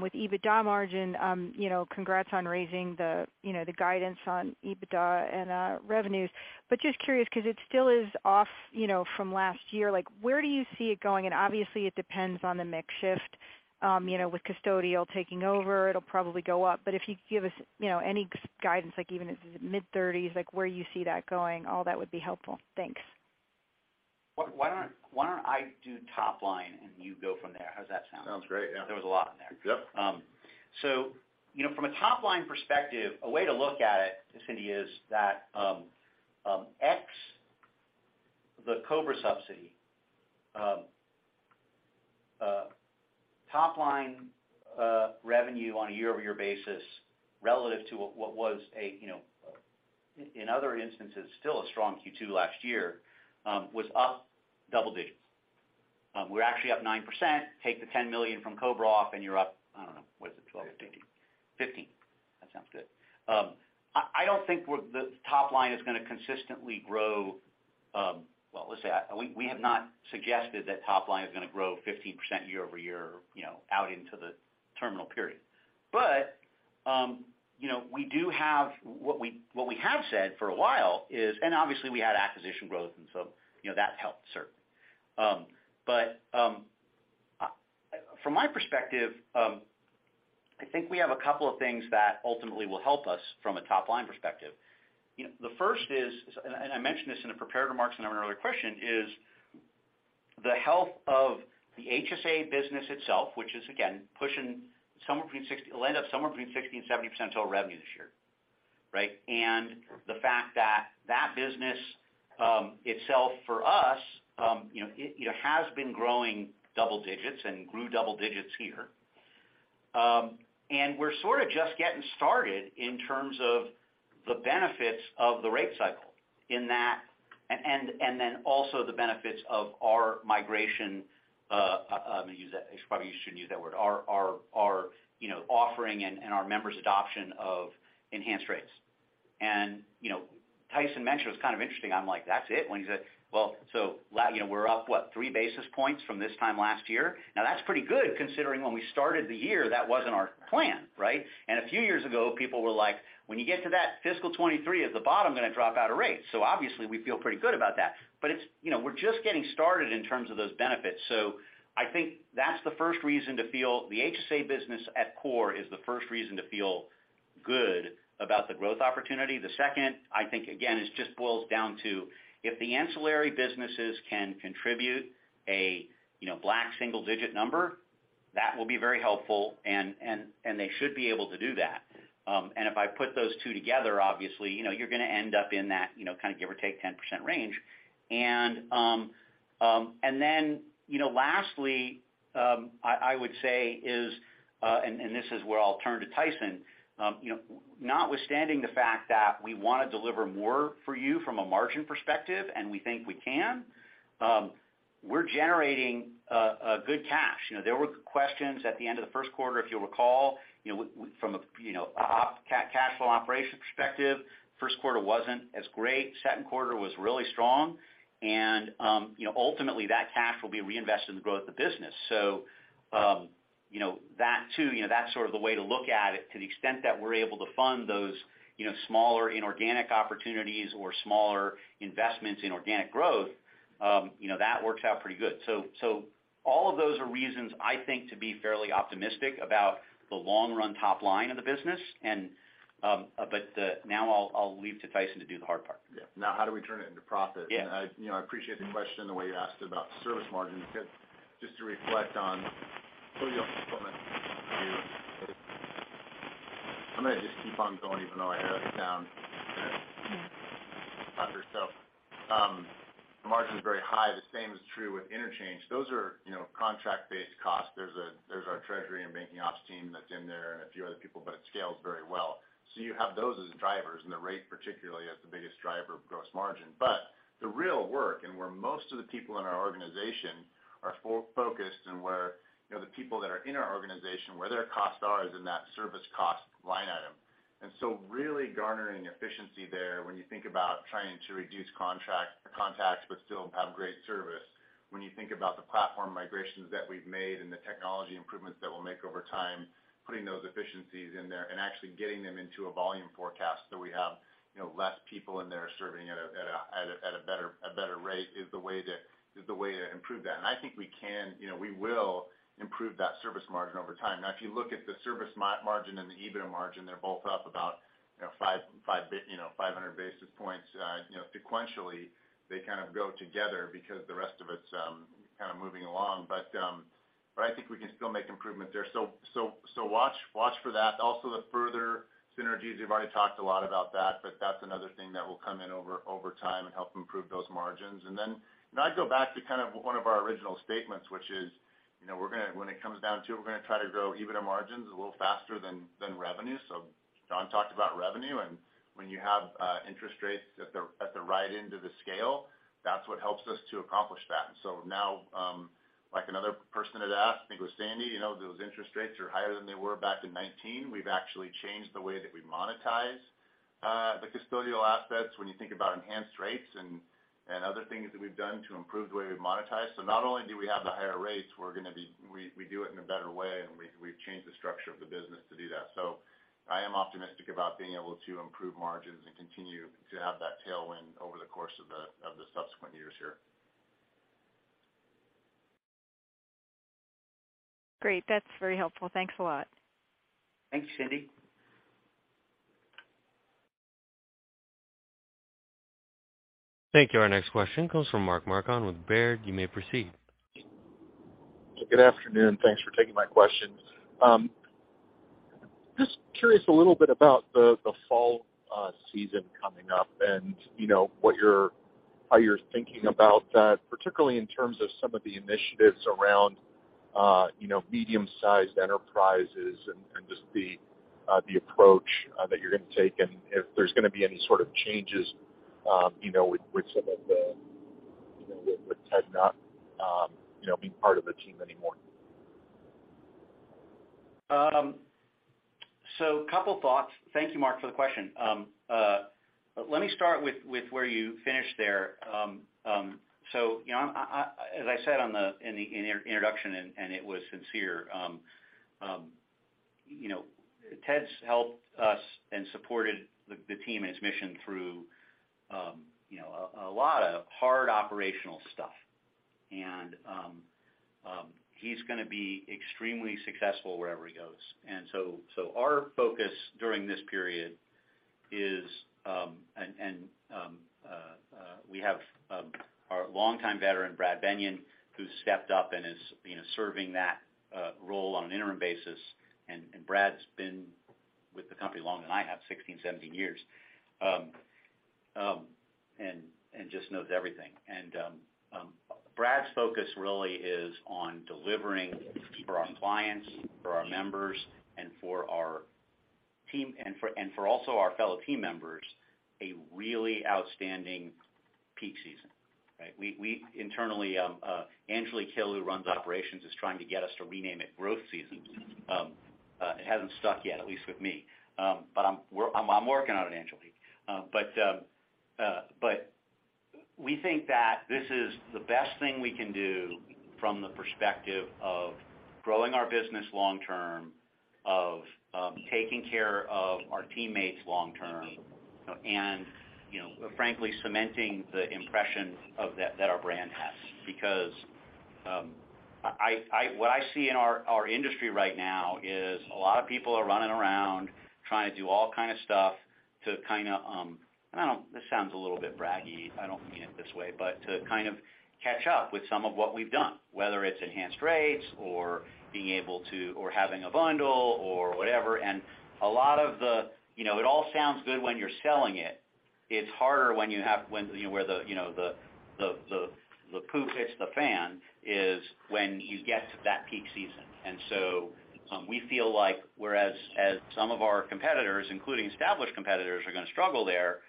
with EBITDA margin, you know, congrats on raising the guidance on EBITDA and revenues. Just curious, 'cause it still is off, you know, from last year. Like, where do you see it going? Obviously, it depends on the mix shift, you know, with custodial taking over, it'll probably go up. If you could give us, you know, any guidance, like even if it's mid-thirties, like where you see that going, all that would be helpful. Thanks. Why don't I do top line and you go from there? How does that sound? Sounds great. Yeah. There was a lot in there. Yep. You know, from a top-line perspective, a way to look at it, Cindy, is that the COBRA subsidy top line revenue on a year-over-year basis relative to what was a, you know, in other instances, still a strong Q2 last year, was up double digits. We're actually up 9%. Take the $10 million from COBRA off and you're up, I don't know, what is it, 12% or 15%? 15. 15. That sounds good. I don't think the top line is gonna consistently grow. Well, let's say, we have not suggested that top line is gonna grow 15% year-over-year, you know, out into the terminal period. You know, we do have what we have said for a while is, and obviously we had acquisition growth, and so, you know, that's helped certainly. From my perspective, I think we have a couple of things that ultimately will help us from a top-line perspective. You know, the first is, and I mentioned this in the prepared remarks and on another question, is the health of the HSA business itself, which is again it'll end up somewhere between 60% and 70% total revenue this year, right? The fact that that business itself for us, you know, it, you know, has been growing double digits and grew double digits here. We're sort of just getting started in terms of the benefits of the rate cycle in that, and then also the benefits of our migration. Let me use that. I probably shouldn't use that word. Our you know, offering and our members' adoption of Enhanced Rates. You know, Tyson mentioned, it was kind of interesting. I'm like, that's it? When he said, well, so you know, we're up, what, three basis points from this time last year. Now that's pretty good considering when we started the year, that wasn't our plan, right? A few years ago, people were like, when you get to that fiscal 2023 at the bottom, you're gonna drop out a rate. Obviously we feel pretty good about that. It's, you know, we're just getting started in terms of those benefits. I think that's the first reason to feel that the HSA business at core is the first reason to feel good about the growth opportunity. The second, I think again, it just boils down to if the ancillary businesses can contribute a, you know, low single-digit number, that will be very helpful and they should be able to do that. If I put those two together, obviously, you know, you're gonna end up in that, you know, kind of give or take 10% range. You know, lastly, I would say is, and this is where I'll turn to Tyson. You know, notwithstanding the fact that we wanna deliver more for you from a margin perspective, and we think we can, we're generating a good cash. You know, there were questions at the end of the Q1, if you'll recall, you know, from a operating cash flow perspective, Q1 wasn't as great. Q2 was really strong. Ultimately, that cash will be reinvested in the growth of the business. That too, you know, that's sort of the way to look at it to the extent that we're able to fund those, you know, smaller inorganic opportunities or smaller investments in organic growth, you know, that works out pretty good. All of those are reasons I think to be fairly optimistic about the long run top line of the business. Now I'll leave to Tyson to do the hard part. Yeah. Now how do we turn it into profit? Yeah. You know, I appreciate the question, the way you asked about service margins, 'cause just to reflect on custodial performance view. I'm gonna just keep on going even though I know that's down. Okay, The margin is very high. The same is true with interchange. Those are, you know, contract-based costs. There's our treasury and banking ops team that's in there and a few other people, but it scales very well. You have those as drivers, and the rate particularly as the biggest driver of gross margin. But the real work and where most of the people in our organization are focused and where, you know, the people that are in our organization, where their costs are, is in that service cost line item. Really garnering efficiency there when you think about trying to reduce contacts but still have great service. When you think about the platform migrations that we've made and the technology improvements that we'll make over time, putting those efficiencies in there and actually getting them into a volume forecast so we have less people in there serving at a better rate is the way to improve that. I think we will improve that service margin over time. Now, if you look at the service margin and the EBITDA margin, they're both up about 500 basis points sequentially, they kind of go together because the rest of it's kind of moving along. I think we can still make improvement there. Watch for that. The Further synergies, we've already talked a lot about that, but that's another thing that will come in over time and help improve those margins. Then I'd go back to kind of one of our original statements, which is, you know, when it comes down to it, we're gonna try to grow EBITDA margins a little faster than revenue. Jon talked about revenue, and when you have interest rates at the right end of the scale, that's what helps us to accomplish that. Now, like another person had asked, I think it was Sandy, you know, those interest rates are higher than they were back in 2019. We've actually changed the way that we monetize the custodial assets when you think about Enhanced Rates and other things that we've done to improve the way we monetize. Not only do we have the higher rates, we do it in a better way, and we've changed the structure of the business to do that. I am optimistic about being able to improve margins and continue to have that tailwind over the course of the subsequent years here. Great. That's very helpful. Thanks a lot. Thanks, Cindy. Thank you. Our next question comes from Mark Marcon with Baird. You may proceed. Good afternoon. Thanks for taking my question. Just curious a little bit about the fall season coming up and, you know, how you're thinking about that, particularly in terms of some of the initiatives around, you know, medium-sized enterprises and just the approach that you're gonna take, and if there's gonna be any sort of changes, you know, with Ted not being part of the team anymore. Couple thoughts. Thank you, Mark, for the question. Let me start with where you finished there. You know, as I said in the introduction, and it was sincere, you know, Ted's helped us and supported the team and its mission through, you know, a lot of hard operational stuff. He's gonna be extremely successful wherever he goes. Our focus during this period is we have our longtime veteran, Brad Bennion, who stepped up and is, you know, serving that role on an interim basis. Brad's been with the company longer than I have, 16, 17 years, and just knows everything. Brad's focus really is on delivering for our clients, for our members, and for our team and for our fellow team members, a really outstanding peak season, right? We internally, Angelique Hill, who runs operations, is trying to get us to rename it growth season. It hasn't stuck yet, at least with me, but I'm working on it, Angelique. We think that this is the best thing we can do from the perspective of growing our business long term, of taking care of our teammates long term, and, you know, frankly, cementing the impression that our brand has. Because what I see in our industry right now is a lot of people are running around trying to do all kind of stuff to kinda, I don't know, this sounds a little bit braggy, I don't mean it this way, but to kind of catch up with some of what we've done, whether it's Enhanced Rates or being able to, or having a bundle or whatever. A lot of the. You know, it all sounds good when you're selling it. It's harder when you know, where the poop hits the fan is when you get to that peak season. We feel like whereas some of our competitors, including established competitors, are gonna struggle there,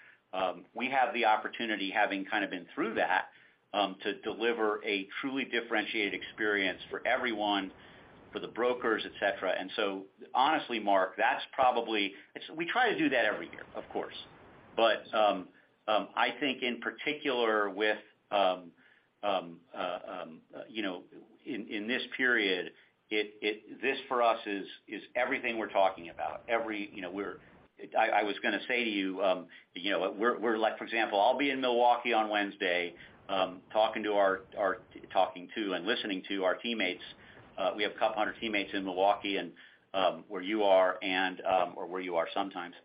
we have the opportunity, having kind of been through that, to deliver a truly differentiated experience for everyone, for the brokers, et cetera. Honestly, Mark, that's probably. We try to do that every year, of course. I think in particular with you know in this period, this for us is everything we're talking about. You know, I was gonna say to you know, we're like, for example, I'll be in Milwaukee on Wednesday, talking to and listening to our teammates. We have 200 teammates in Milwaukee and where you are and or where you are sometimes.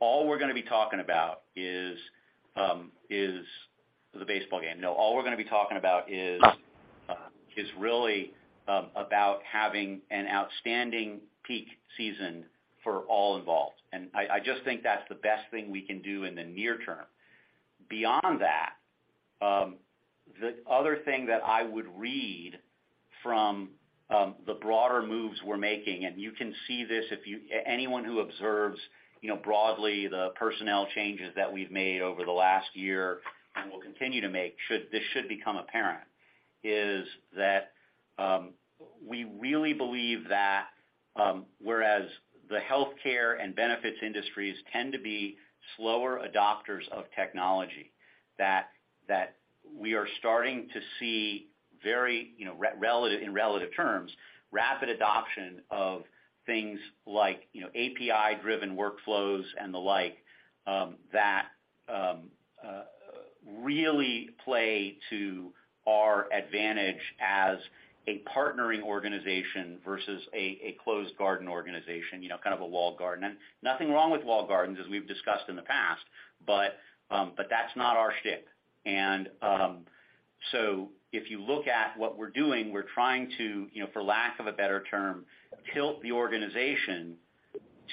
All we're gonna be talking about is the baseball game. No, all we're gonna be talking about is really about having an outstanding peak season for all involved. I just think that's the best thing we can do in the near term. Beyond that, the other thing that I would read from the broader moves we're making, and you can see this if anyone who observes, you know, broadly the personnel changes that we've made over the last year and will continue to make, this should become apparent, is that we really believe that whereas the healthcare and benefits industries tend to be slower adopters of technology, that we are starting to see very, you know, in relative terms, rapid adoption of things like, you know, API-driven workflows and the like, that really play to our advantage as a partnering organization versus a closed garden organization. You know, kind of a walled garden. Nothing wrong with walled gardens, as we've discussed in the past, but that's not our shtick. If you look at what we're doing, we're trying to, you know, for lack of a better term, tilt the organization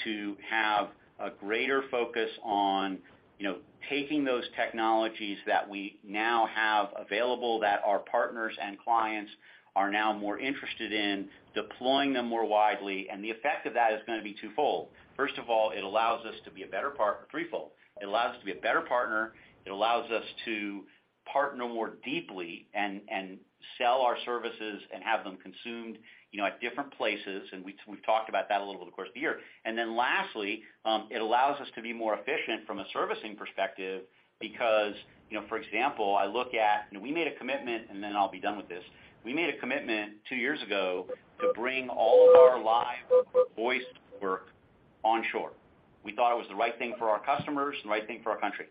to have a greater focus on, you know, taking those technologies that we now have available that our partners and clients are now more interested in, deploying them more widely. The effect of that is gonna be twofold. First of all, threefold. It allows us to be a better partner. It allows us to partner more deeply and sell our services and have them consumed, you know, at different places, and we've talked about that a little bit over the course of the year. Lastly, it allows us to be more efficient from a servicing perspective because, you know, for example, I look at. You know, we made a commitment, and then I'll be done with this. We made a commitment two years ago to bring all of our live voice work onshore. We thought it was the right thing for our customers, the right thing for our country.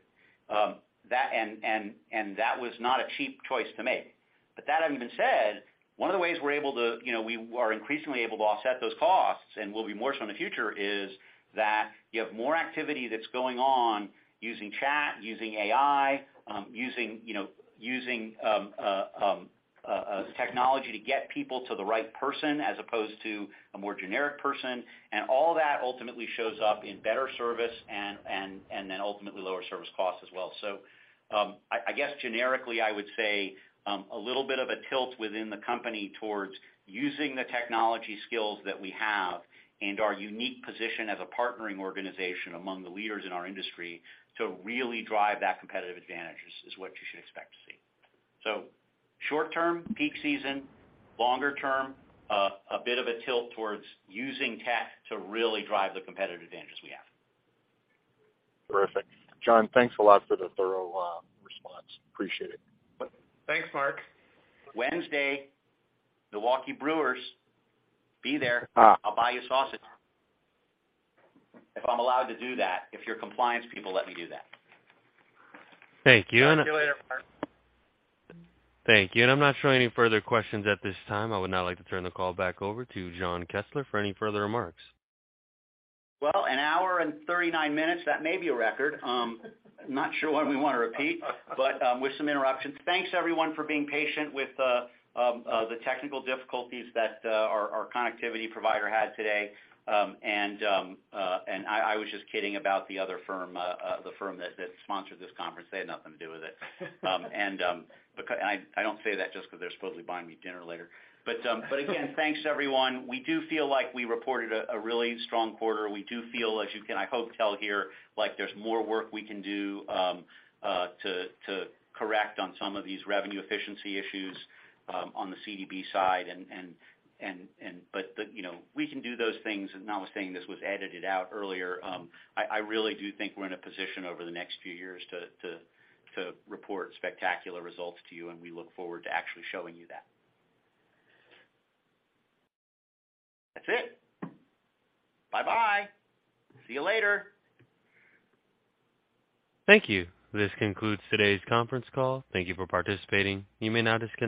That and that was not a cheap choice to make. That having been said, one of the ways we're able to, you know, we are increasingly able to offset those costs and will be more so in the future, is that you have more activity that's going on using chat, using AI, using technology to get people to the right person as opposed to a more generic person. All that ultimately shows up in better service and then ultimately lower service costs as well. I guess generically, I would say, a little bit of a tilt within the company towards using the technology skills that we have and our unique position as a partnering organization among the leaders in our industry to really drive that competitive advantage is what you should expect to see. Short term, peak season. Longer term, a bit of a tilt towards using tech to really drive the competitive advantages we have. Terrific. Jon, thanks a lot for the thorough response. Appreciate it. Thanks, Mark. Wednesday, Milwaukee Brewers. Be there. Ah. I'll buy you sausage. If I'm allowed to do that, if your compliance people let me do that. Thank you. See you later, Mark. Thank you. I'm not showing any further questions at this time. I would now like to turn the call back over to Jon Kessler for any further remarks. Well, an hour and 39 minutes, that may be a record. Not sure one we wanna repeat, but with some interruptions. Thanks everyone for being patient with the technical difficulties that our connectivity provider had today. I was just kidding about the other firm, the firm that sponsored this conference. They had nothing to do with it. I don't say that just because they're supposedly buying me dinner later. Again, thanks everyone. We do feel like we reported a really strong quarter. We do feel as you can, I hope, tell here, like there's more work we can do to correct on some of these revenue efficiency issues on the CDB side and, but the, you know, we can do those things. I was saying this was edited out earlier. I really do think we're in a position over the next few years to report spectacular results to you, and we look forward to actually showing you that. That's it. Bye-bye. See you later. Thank you. This concludes today's conference call. Thank you for participating. You may now disconnect.